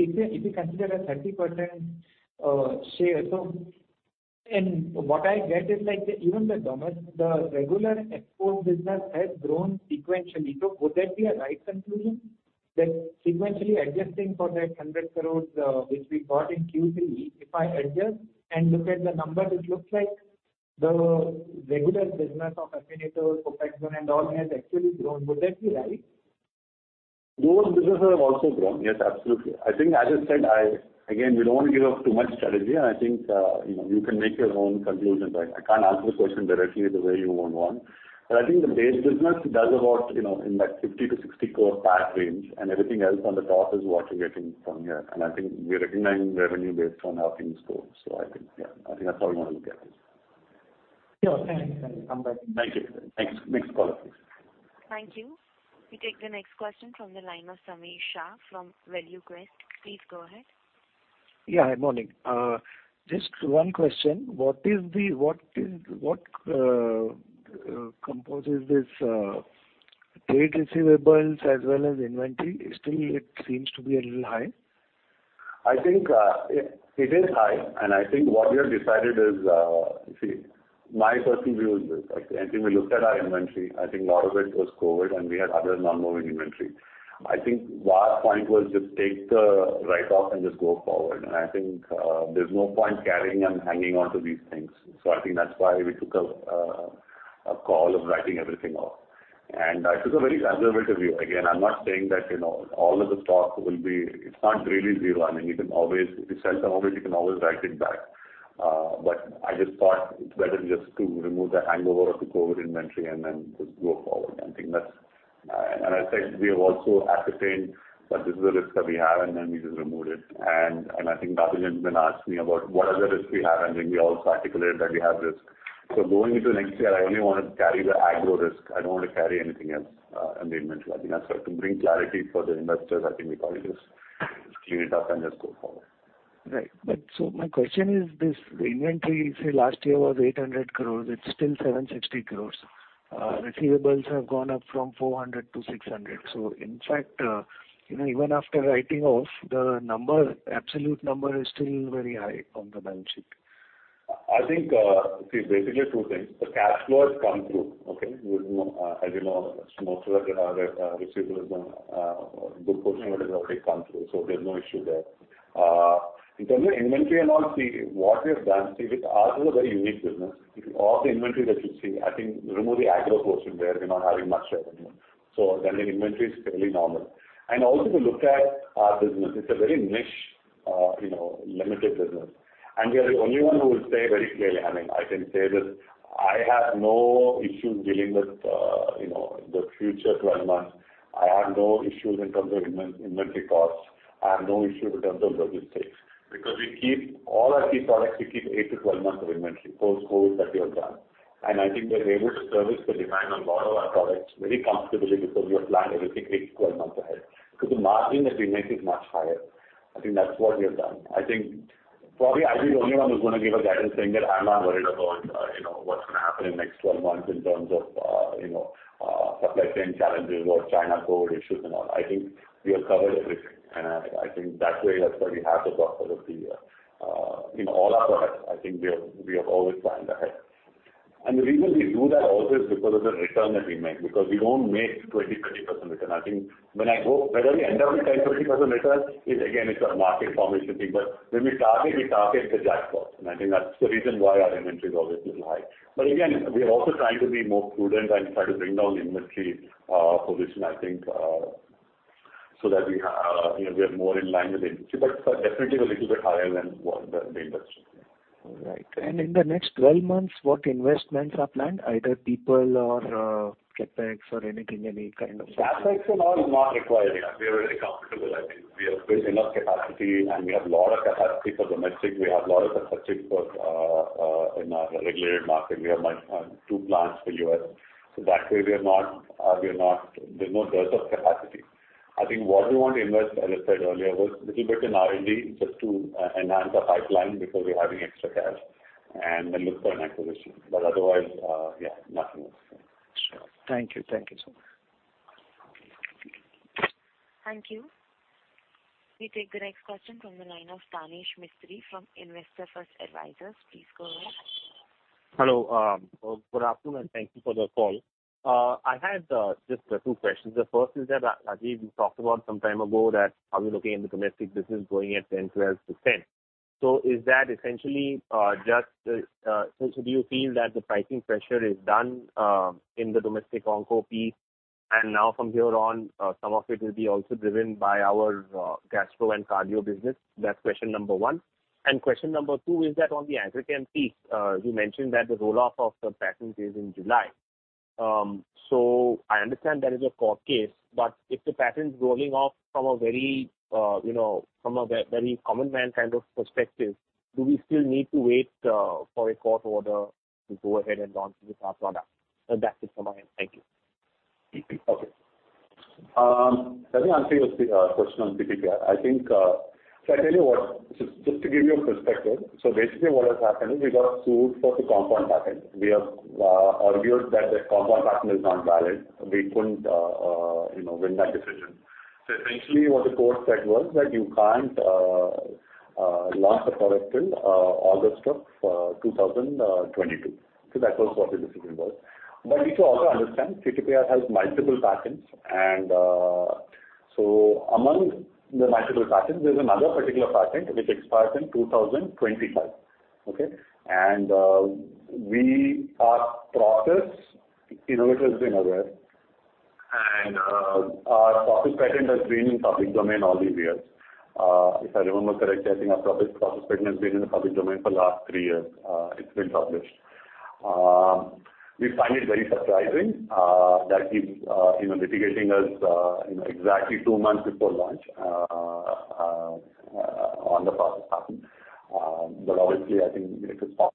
If you consider a 30% share, what I get is, even the regular export business has grown sequentially. Would that be a right conclusion that sequentially adjusting for that 100 crore, which we got in Q3, if I adjust and look at the numbers, it looks like the regular business of Afinitor, Copaxone and all has actually grown. Would that be right? Those businesses have also grown. Yes, absolutely. I think, as I said, Again, we don't want to give up too much strategy, and I think, you know, you can make your own conclusions. I can't answer the question directly the way you would want. But I think the base business does about, you know, in that 50 crore-60 crore PAT range, and everything else on the top is what you're getting from here. I think we're recognizing revenue based on how things go. I think, yeah, I think that's how you want to look at it. Sure. Thanks. I'll come back. Thank you. Thanks. Next caller, please. Thank you. We take the next question from the line of Sameer Shah from ValueQuest. Please go ahead. Yeah, good morning. Just one question. What composes this trade receivables as well as inventory? Still, it seems to be a little high. I think it is high, and I think what we have decided is, see, my personal view is this. I think we looked at our inventory. I think a lot of it was COVID, and we had other non-moving inventory. I think the board's point was just take the write-off and just go forward. I think there's no point carrying and hanging on to these things. I think that's why we took a call of writing everything off. I took a very conservative view. Again, I'm not saying that, you know, all of the stock will be. It's not really zero. I mean, you can always, if you sell some of it, you can always write it back. I just thought it's better just to remove the hangover of the COVID inventory and then just go forward. I think we have also ascertained that this is a risk that we have, and then we just removed it. I think [inaudible] then asked me about what other risks we have, and then we also articulated that we have risk. Going into next year, I only want to carry the agro risk. I don't want to carry anything else in the inventory. I think that's where to bring clarity for the investors. I think we probably just clean it up and just go forward. My question is this, the inventory, say, last year was 800 crore. It's still 760 crore. Receivables have gone up from 400 crore to 600 crore. In fact, you know, even after writing off, the number, absolute number is still very high on the balance sheet. I think, basically two things. The cash flow has come through, okay? We've no, as you know, most of the receivable has been, a good portion of it has already come through. There's no issue there. In terms of inventory and all, what we have done, with ours is a very unique business. If all the inventory that you see, I think remove the agro portion where we're not having much revenue. Then the inventory is fairly normal. Also if you look at our business, it's a very niche, you know, limited business. We are the only one who will say very clearly, I mean, I can say this, I have no issues dealing with, you know, the future 12 months. I have no issues in terms of inventory costs. I have no issue in terms of logistics. We keep all our key products, we keep 8-12 months of inventory. Post-COVID, that we have done. I think we're able to service the demand on a lot of our products very comfortably because we have planned everything 8-12 months ahead. The margin that we make is much higher. I think that's what we have done. I think probably I'll be the only one who's gonna give a guidance saying that I'm not worried about, you know, what's gonna happen in the next 12 months in terms of, you know, supply chain challenges or China port issues and all. I think we have covered everything. I think that way, that's why we have the buffer in all our products. I think we have always planned ahead. The reason we do that also is because of the return that we make, because we don't make 20%-30% return. I think whether we end up with 10%-20% return is again, it's a market formation thing. When we target, we target the jackpot. I think that's the reason why our inventory is always little high. Again, we are also trying to be more prudent and try to bring down the inventory position, I think, so that we have, you know, we are more in line with industry. Definitely a little bit higher than what the industry. All right. In the next 12 months, what investments are planned, either people or CapEx or anything, any kind of- CapEx and all is not required here. We are very comfortable. I think we have built enough capacity, and we have a lot of capacity for domestic. We have a lot of capacity for in our regulated market. We have two plants for U.S. So that way we are not. There's no dearth of capacity. I think what we want to invest, as I said earlier, was little bit in R&D just to enhance the pipeline because we're having extra cash and then look for an acquisition. Otherwise, yeah, nothing else. Sure. Thank you. Thank you so much. Thank you. We take the next question from the line of Danesh Mistry from Investor First Advisors. Please go ahead. Hello. Good afternoon, and thank you for the call. I had just two questions. The first is that, Rajeev, you talked about some time ago that are we looking in the domestic business growing at 10%-12%. Is that essentially, do you feel that the pricing pressure is done in the domestic onco piece, and now from here on, some of it will be also driven by our gastro and cardio business? That's question number one. Question number two is that on the agri-chem piece, you mentioned that the roll-off of the patent is in July. I understand that is a court case, but if the patent's rolling off from a very common man kind of perspective, do we still need to wait for a court order to go ahead and launch with our product? That's it from my end. Thank you. Okay. Let me answer your question on CTPR. I think, I tell you what, just to give you a perspective, basically what has happened is we got sued for the compound patent. We have argued that the compound patent is not valid. We couldn't, you know, win that decision. Essentially what the court said was that you can't launch the product till August of 2022. That was what the decision was. We should also understand CTPR has multiple patents and among the multiple patents, there's another particular patent which expires in 2025. Okay? We are process innovators, being aware, and our process patent has been in public domain all these years. If I remember correctly, I think our process patent has been in the public domain for the last three years. It's been published. We find it very surprising that he's, you know, litigating us, you know, exactly two months before launch on the process patent. Obviously I think it is possible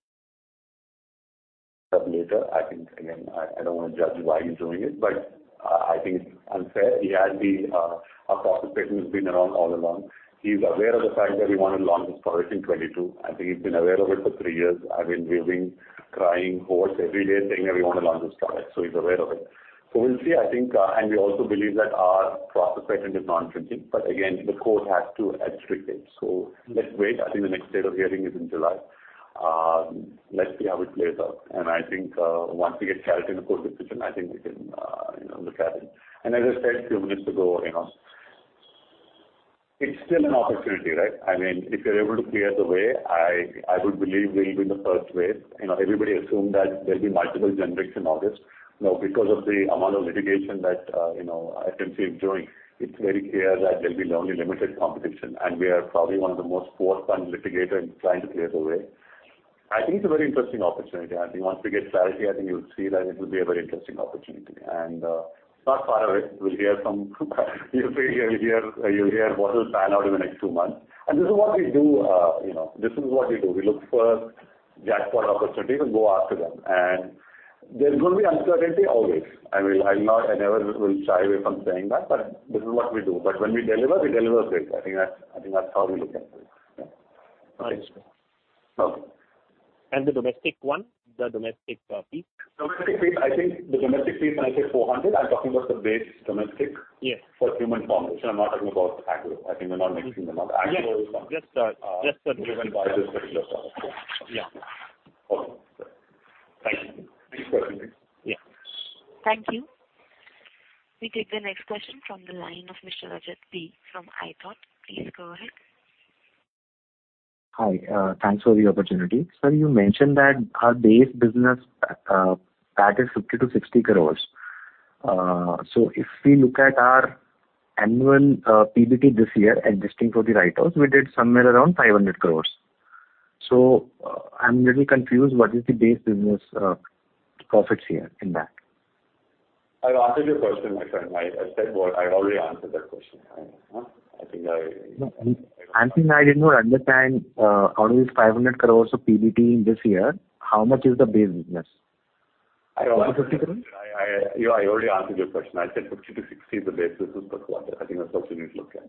later. I think, again, I don't wanna judge why he's doing it, but I think it's unfair. Our process patent has been around all along. He's aware of the fact that we wanna launch this product in 2022. I think he's been aware of it for three years. I mean, we've been crying hoarse every day saying that we wanna launch this product, so he's aware of it. We'll see, I think, and we also believe that our process patent is non-infringing. Again, the court has to adjudicate. Let's wait. I think the next date of hearing is in July. Let's see how it plays out. I think, once we get clarity in the court decision, I think we can, you know, look at it. As I said a few minutes ago, you know, it's still an opportunity, right? I mean, if you're able to clear the way, I would believe we'll be the first wave. You know, everybody assumed that there'll be multiple generics in August. Now, because of the amount of litigation that, you know, I can see him doing, it's very clear that there'll be only limited competition, and we are probably one of the most well-funded litigator in trying to clear the way. I think it's a very interesting opportunity. I think once we get clarity, I think you'll see that it will be a very interesting opportunity. Not far away, we'll hear some battles pan out in the next two months. This is what we do, you know. We look for jackpot opportunities and go after them. There's gonna be uncertainty always. I mean, I never will shy away from saying that, but this is what we do. When we deliver, we deliver big. I think that's how we look at it. Yeah. Understood. Okay. The domestic one, the domestic piece? Domestic piece, I think, when I said 400 crore, I'm talking about the base domestic. Yes. For human formulation. I'm not talking about agro. I think we're not mixing them up. Agro is- Yes. Just for dividend. Yeah. Okay. Thank you. Next question, please. Yeah. Thank you. We take the next question from the line of Mr. Rajat B. from I. Please go ahead. Hi. Thanks for the opportunity. Sir, you mentioned that our base business, that is 50 crore-60 crore. If we look at our annual PBT this year, adjusting for the write-offs, we did somewhere around 500 crore. I'm little confused what is the base business profits here in that. I've answered your question, my friend. I already answered that question. I think I- No, I think I did not understand, out of these 500 crores of PBT in this year, how much is the base business? INR 50 crore? I already answered your question. I said 50 crore-60 crore is the base business per quarter. I think that's what you need to look at.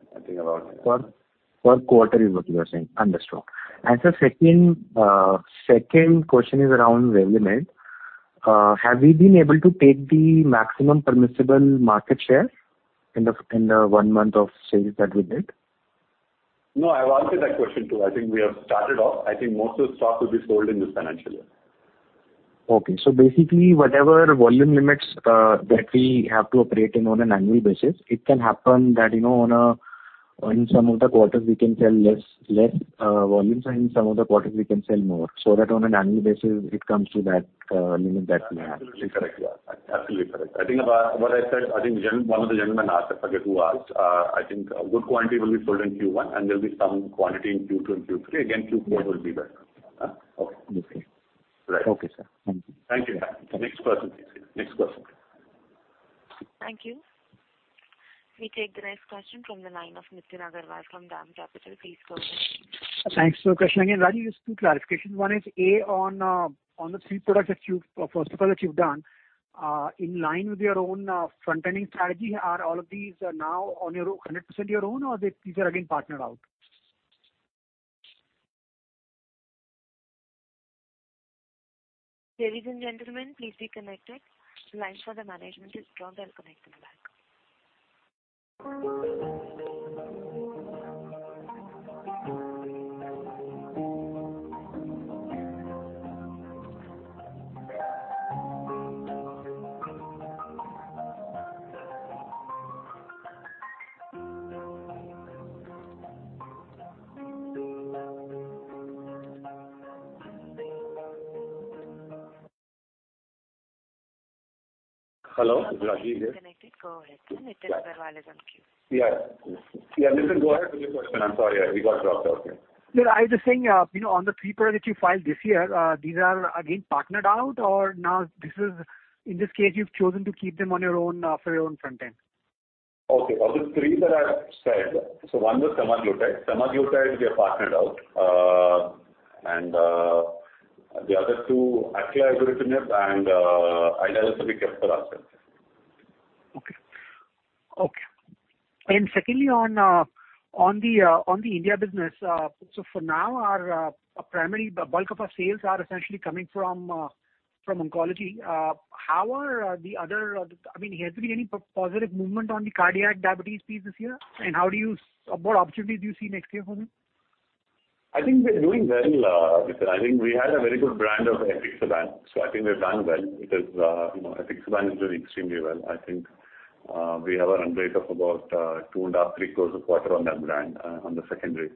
Per quarter is what you are saying. Understood. Sir, second question is around Revlimid. Have we been able to take the maximum permissible market share in the one month of sales that we did? No, I've answered that question, too. I think we have started off. I think most of the stock will be sold in this financial year. Okay. Basically, whatever volume limits that we have to operate in on an annual basis, it can happen that, you know, in some of the quarters we can sell less volumes, and in some of the quarters we can sell more, so that on an annual basis it comes to that limit that we have. Absolutely correct. Yeah. Absolutely correct. I think what I said, I think one of the gentlemen asked, I forget who asked. I think a good quantity will be sold in Q1, and there'll be some quantity in Q2 and Q3. Again, Q4 will be better. Okay. Okay. Right. Okay, sir. Thank you. Thank you. Next question, please. Thank you. We take the next question from the line of Nitin Agarwal from DAM Capital. Please go ahead. Thanks. Two questions again. Rajeev, just two clarifications. One is, A, on the first product that you've done in line with your own front-ending strategy, are all of these now on your own, hundred percent your own or they, these are again partnered out? Ladies and gentlemen, please stay connected. Lines for the management is down. We're connecting back. Hello, Rajeev here. Connected. Go ahead. Nitin Agarwal is in queue. Yeah. Yeah, Nitin, go ahead with your question. I'm sorry. Yeah, we got dropped off here. Yeah, I was just saying, you know, on the three products that you filed this year, these are again partnered out, or now in this case, you've chosen to keep them on your own, for your own front end. Of the three that I said, one was semaglutide. Semaglutide we have partnered out, and the other two, acalabrutinib and ibrutinib, we kept for ourselves. Okay. Secondly, on the India business, so for now our bulk of our sales are essentially coming from oncology. How are the other? I mean, has there been any positive movement on the cardiac diabetes piece this year? What opportunity do you see next year for them? I think we're doing well, because I think we had a very good brand of apixaban, so I think we've done well because, you know, apixaban is doing extremely well. I think we have a run rate of about 2.5 crore-3 crore a quarter on that brand, on the secondary.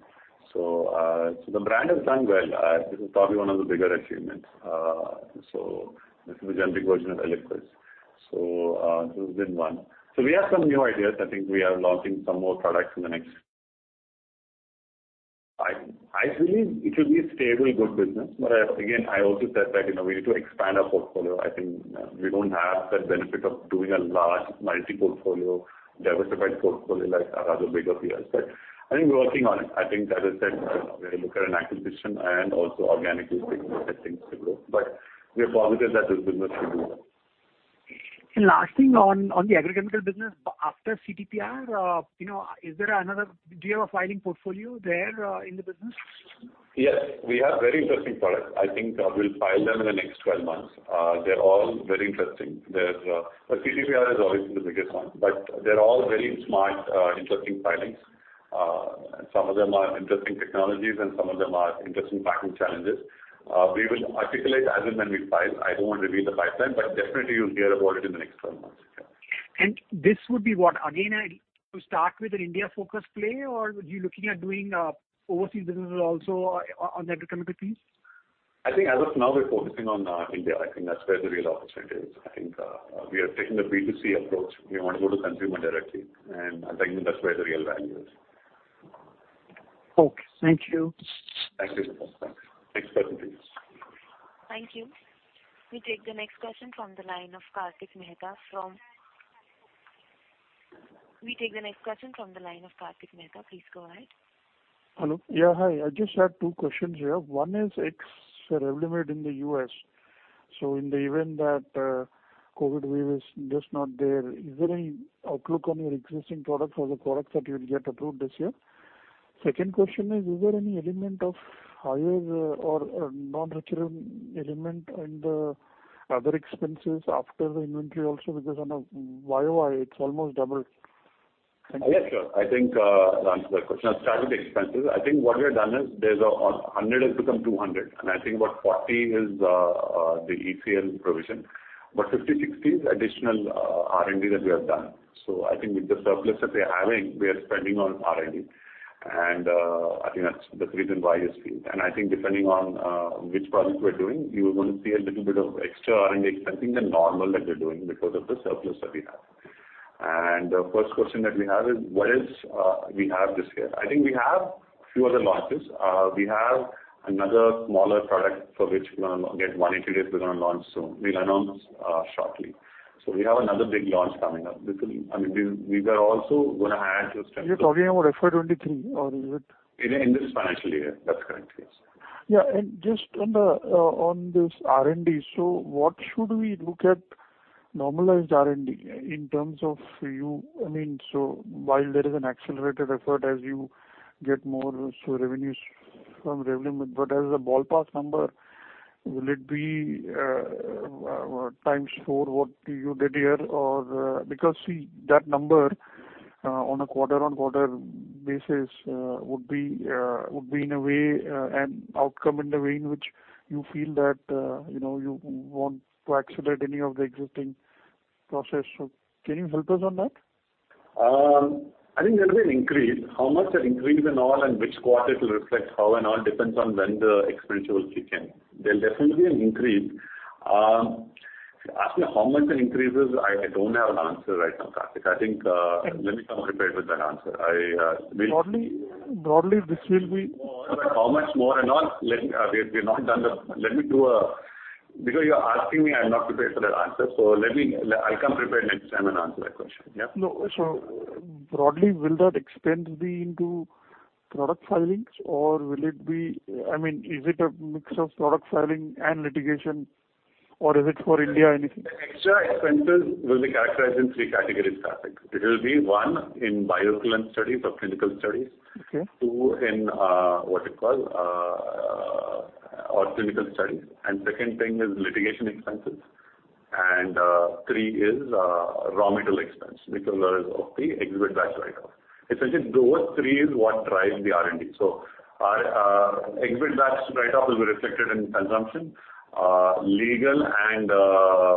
The brand has done well. This is probably one of the bigger achievements. This is a generic version of Eliquis. This has been one. We have some new ideas. I think we are launching some more products in the next. I believe it will be a stable, good business. Again, I also said that, you know, we need to expand our portfolio. I think we don't have that benefit of doing a large multi-portfolio, diversified portfolio like our other bigger peers. I think we're working on it. I think, as I said, we're looking at an acquisition and also organically taking more things to grow. We are positive that this business will do well. Last thing on the agricultural business. After CTPR, do you have a filing portfolio there, in the business? Yes, we have very interesting products. I think we'll file them in the next 12 months. They're all very interesting. CTPR is always the biggest one, but they're all very smart, interesting filings. Some of them are interesting technologies, and some of them are interesting patent challenges. We will articulate as and when we file. I don't want to reveal the pipeline, but definitely you'll hear about it in the next 12 months. Yeah. This would be what? Again, to start with an India-focused play, or would you be looking at doing, overseas businesses also on the agricultural piece? I think as of now, we're focusing on India. I think that's where the real opportunity is. I think we are taking the B2C approach. We want to go to consumer directly, and I think that's where the real value is. Okay. Thank you. Thank you. Thanks. Next person, please. Thank you. We take the next question from the line of Kartik Mehta. Please go ahead. Hello. Yeah, hi. I just had two questions here. One is ex-Revlimid in the US. In the event that COVID wave is just not there, is there any outlook on your existing products or the products that you'll get approved this year? Second question is there any element of higher or non-recurring element in the other expenses after the inventory also because on a YOY it’s almost doubled? Thank you. Yeah, sure. I think to answer that question, I'll start with the expenses. I think what we have done is there's 100 crore has become 200 crore, and I think about 40 crore is the ECL provision, but 50 crore, 60 crore is additional R&D that we have done. I think with the surplus that we are having, we are spending on R&D. I think that's the reason why it's been. I think depending on which product we're doing, you're going to see a little bit of extra R&D spending than normal that we're doing because of the surplus that we have. First question that we have is what else we have this year. I think we have few other launches. We have another smaller product for which we're gonna get money today, we're gonna launch soon. We'll announce shortly. We have another big launch coming up. I mean, we were also gonna add to- You're talking about FY2023 or is it? In this financial year. That's correct, yes. Yeah. Just on this R&D, what should we look at normalized R&D? I mean, while there is an accelerated effort as you get more revenues from Revlimid, but as a ballpark number, will it be 4x what you did here? Because see, that number on a quarter-on-quarter basis would be in a way an outcome in the way in which you feel that you know you want to accelerate any of the existing process. Can you help us on that? I think there will be an increase. How much an increase and all and which quarter it will reflect how and all depends on when the expenditure will kick in. There'll definitely be an increase. Asking how much an increase is, I don't have an answer right now, Kartik. I think, let me come prepared with an answer. Broadly, this will be. How much more and all, because you're asking me, I'm not prepared for that answer. I'll come prepared next time and answer that question. Yeah. No. Broadly, will that expense be into product filings or will it be, I mean, is it a mix of product filing and litigation, or is it for India anything? Extra expenses will be characterized in three categories, Kartik. It will be, one, in bioequivalence studies or clinical studies. Okay. Two, in what you call our clinical studies. Second thing is litigation expenses. Three is raw material expense, which was of the exhibit batch write-off. Essentially, those three is what drives the R&D. Our exhibit batch write-off will be reflected in consumption. Legal and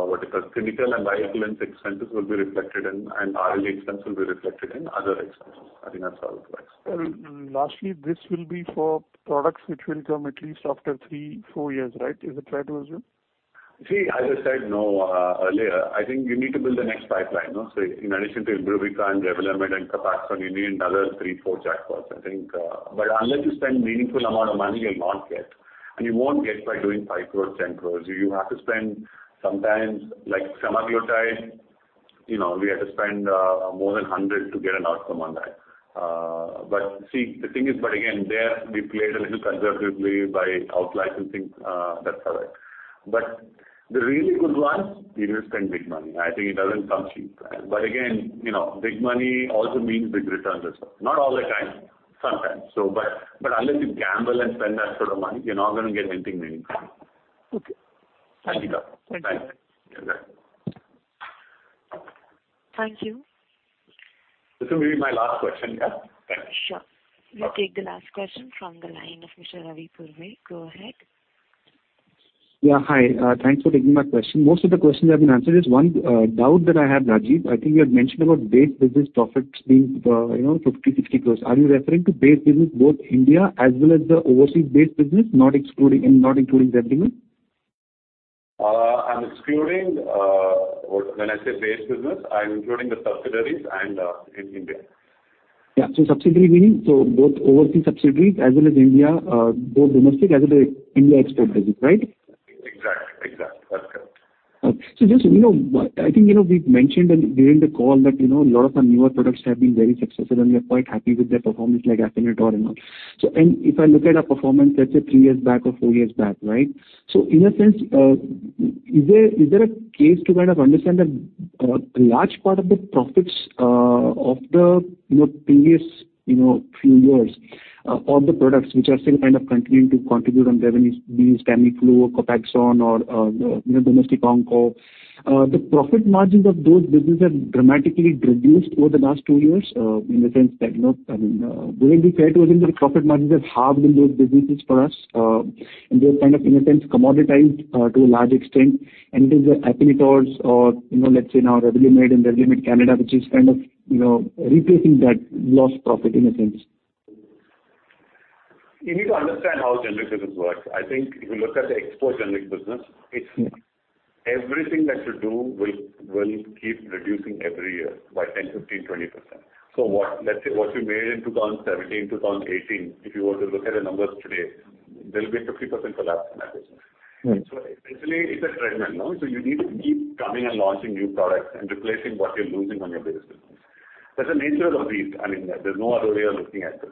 what you call clinical and bioequivalence expenses will be reflected in R&D expense, and R&D expense will be reflected in other expenses. I think that's how it works. Lastly, this will be for products which will come at least after 3-4 years, right? Is it fair to assume? See, as I said, you know, earlier, I think you need to build the next pipeline, no? In addition to ibrutinib development and Copaxone, you need another 3, 4 jackpots, I think. Unless you spend meaningful amount of money, you'll not get. You won't get by doing 5 crore, 10 crore. You have to spend sometimes, like semaglutide, you know, we had to spend more than 100 crore to get an outcome on that. See, the thing is, again, there we played a little conservatively by out-licensing that product. The really good ones, you need to spend big money. I think it doesn't come cheap. Again, you know, big money also means big returns as well. Not all the time, sometimes so. Unless you gamble and spend that sort of money, you're not gonna get anything meaningful. Okay. Thank you. Bye. Thank you. This will be my last question, yeah? Thanks. Sure. We'll take the last question from the line of Mr. Ravi [Purvai]. Go ahead. Yeah, hi. Thanks for taking my question. Most of the questions have been answered. Just one doubt that I had, Rajeev. I think you had mentioned about base business profits being, you know, 50 crore-60 crore. Are you referring to base business both India as well as the overseas-based business, not excluding, and not including Revlimid? I'm excluding, or when I say base business, I'm including the subsidiaries and in India. Yeah. Subsidiary meaning so both overseas subsidiaries as well as India, both domestic as well as India export business, right? Exactly. That's correct. Just, you know, I think, you know, we've mentioned and during the call that, you know, a lot of our newer products have been very successful, and we are quite happy with their performance like Afinitor and all. If I look at our performance, let's say three years back or four years back, right? In a sense, is there a case to kind of understand that, a large part of the profits, of the, you know, previous, you know, few years of the products which are still kind of continuing to contribute on revenues, be it Tamiflu or Copaxone or, the, you know, domestic onco. The profit margins of those businesses have dramatically reduced over the last two years, in the sense that, you know, I mean, will it be fair to assume that the profit margins have halved in those businesses for us? They're kind of in a sense commoditized, to a large extent, and it is the Afinitor or, you know, let's say now Revlimid and Revlimid Canada, which is kind of, you know, replacing that lost profit in a sense. You need to understand how generic business works. I think if you look at the export generic business, it's everything that you do will keep reducing every year by 10%, 15%, 20%. What, let's say what we made in 2017, 2018, if you were to look at the numbers today, there'll be a 50% collapse in that business. Mm-hmm. Essentially it's a treadmill, no? You need to keep coming and launching new products and replacing what you're losing on your base business. That's the nature of these. I mean, there's no other way of looking at this.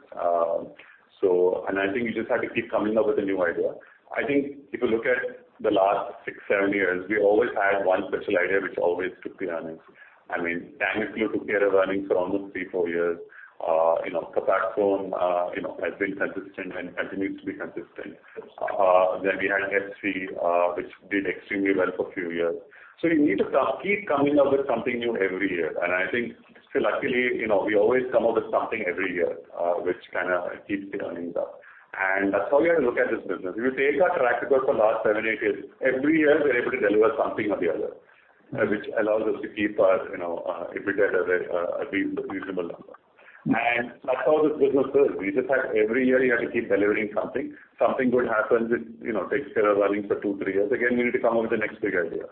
I think you just have to keep coming up with a new idea. I think if you look at the last 6, 7 years, we always had one special idea which always took the earnings. I mean, Tamiflu took care of earnings for almost 3, 4 years. You know, Copaxone, you know, has been consistent and continues to be consistent. Then we had Hep C, which did extremely well for a few years. You need to keep coming up with something new every year. I think, luckily, you know, we always come up with something every year, which kind of keeps the earnings up. That's how you have to look at this business. If you take our track record for last 7-8 years, every year we're able to deliver something or the other, which allows us to keep our, you know, EBITDA at a reasonable number. That's how this business is. We just have every year you have to keep delivering something. Something good happens, it, you know, takes care of earnings for 2-3 years. Again, we need to come up with the next big idea.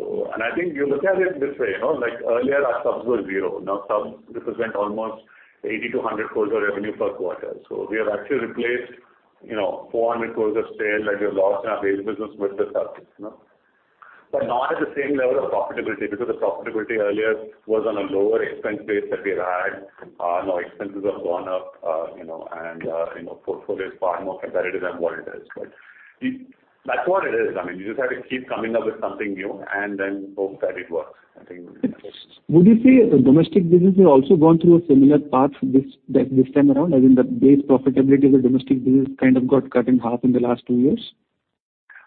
I think you look at it this way, you know, like earlier our subs were zero. Now subs represent almost 80 crore-100 crore of revenue per quarter. We have actually replaced, you know, 400 crore of sales that we have lost in our base business with the subs, you know. Not at the same level of profitability, because the profitability earlier was on a lower expense base that we had. Now expenses have gone up, you know, and, you know, portfolio is far more competitive than what it is. That's what it is. I mean, you just have to keep coming up with something new and then hope that it works. I think that's. Would you say domestic business has also gone through a similar path this, like, this time around? I mean, the base profitability of the domestic business kind of got cut in half in the last two years.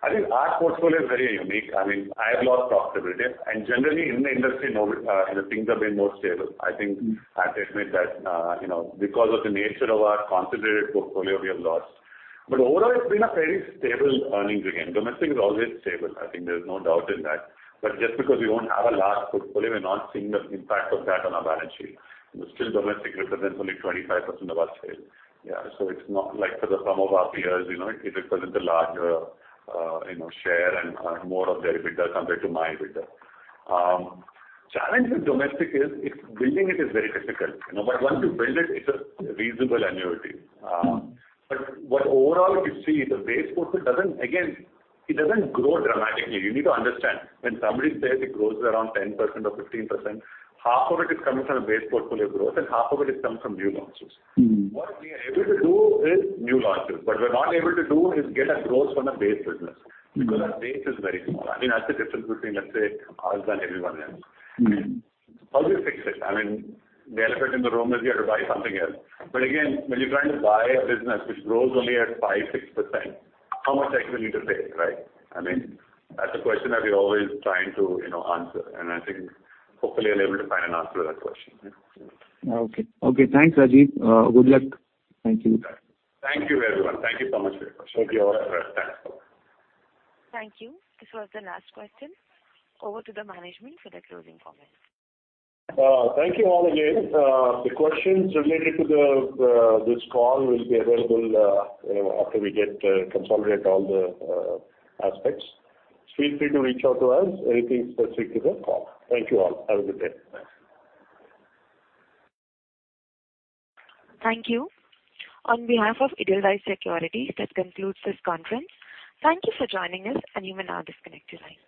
I think our portfolio is very unique. I mean, I have lost profitability. Generally in the industry now, you know, things have been more stable. I think I have to admit that, you know, because of the nature of our concentrated portfolio, we have lost. Overall, it's been a fairly stable earnings again. Domestic is always stable. I think there's no doubt in that. Just because we don't have a large portfolio, we're not seeing the impact of that on our balance sheet. Still domestic represents only 25% of our sales. Yeah. It's not like for some of our peers, you know, it represents a larger, you know, share and more of their EBITDA compared to my EBITDA. Challenge with domestic is, it's building it is very difficult. You know, once you build it's a reasonable annuity. What overall if you see the base portfolio doesn't. Again, it doesn't grow dramatically. You need to understand, when somebody says it grows around 10% or 15%, half of it is coming from a base portfolio growth and half of it is coming from new launches. Mm-hmm. What we are able to do is new launches. What we're not able to do is get a growth from the base business because our base is very small. I mean, that's the difference between, let's say, us and everyone else. Mm-hmm. How do you fix it? I mean, the elephant in the room is you have to buy something else. Again, when you're trying to buy a business which grows only at 5%-6%, how much extra you need to pay, right? I mean, that's a question that we're always trying to, you know, answer. I think hopefully we're able to find an answer to that question. Okay. Okay, thanks, Rajeev. Good luck. Thank you. Thank you, everyone. Thank you so much for your questions. Okay. You're welcome. Thanks. Thank you. This was the last question. Over to the management for their closing comments. Thank you all again. The questions related to this call will be available, you know, after we consolidate all the aspects. Feel free to reach out to us anything specific to the call. Thank you all. Have a good day. Bye. Thank you. On behalf of Edelweiss Securities, this concludes this conference. Thank you for joining us and you may now disconnect your lines.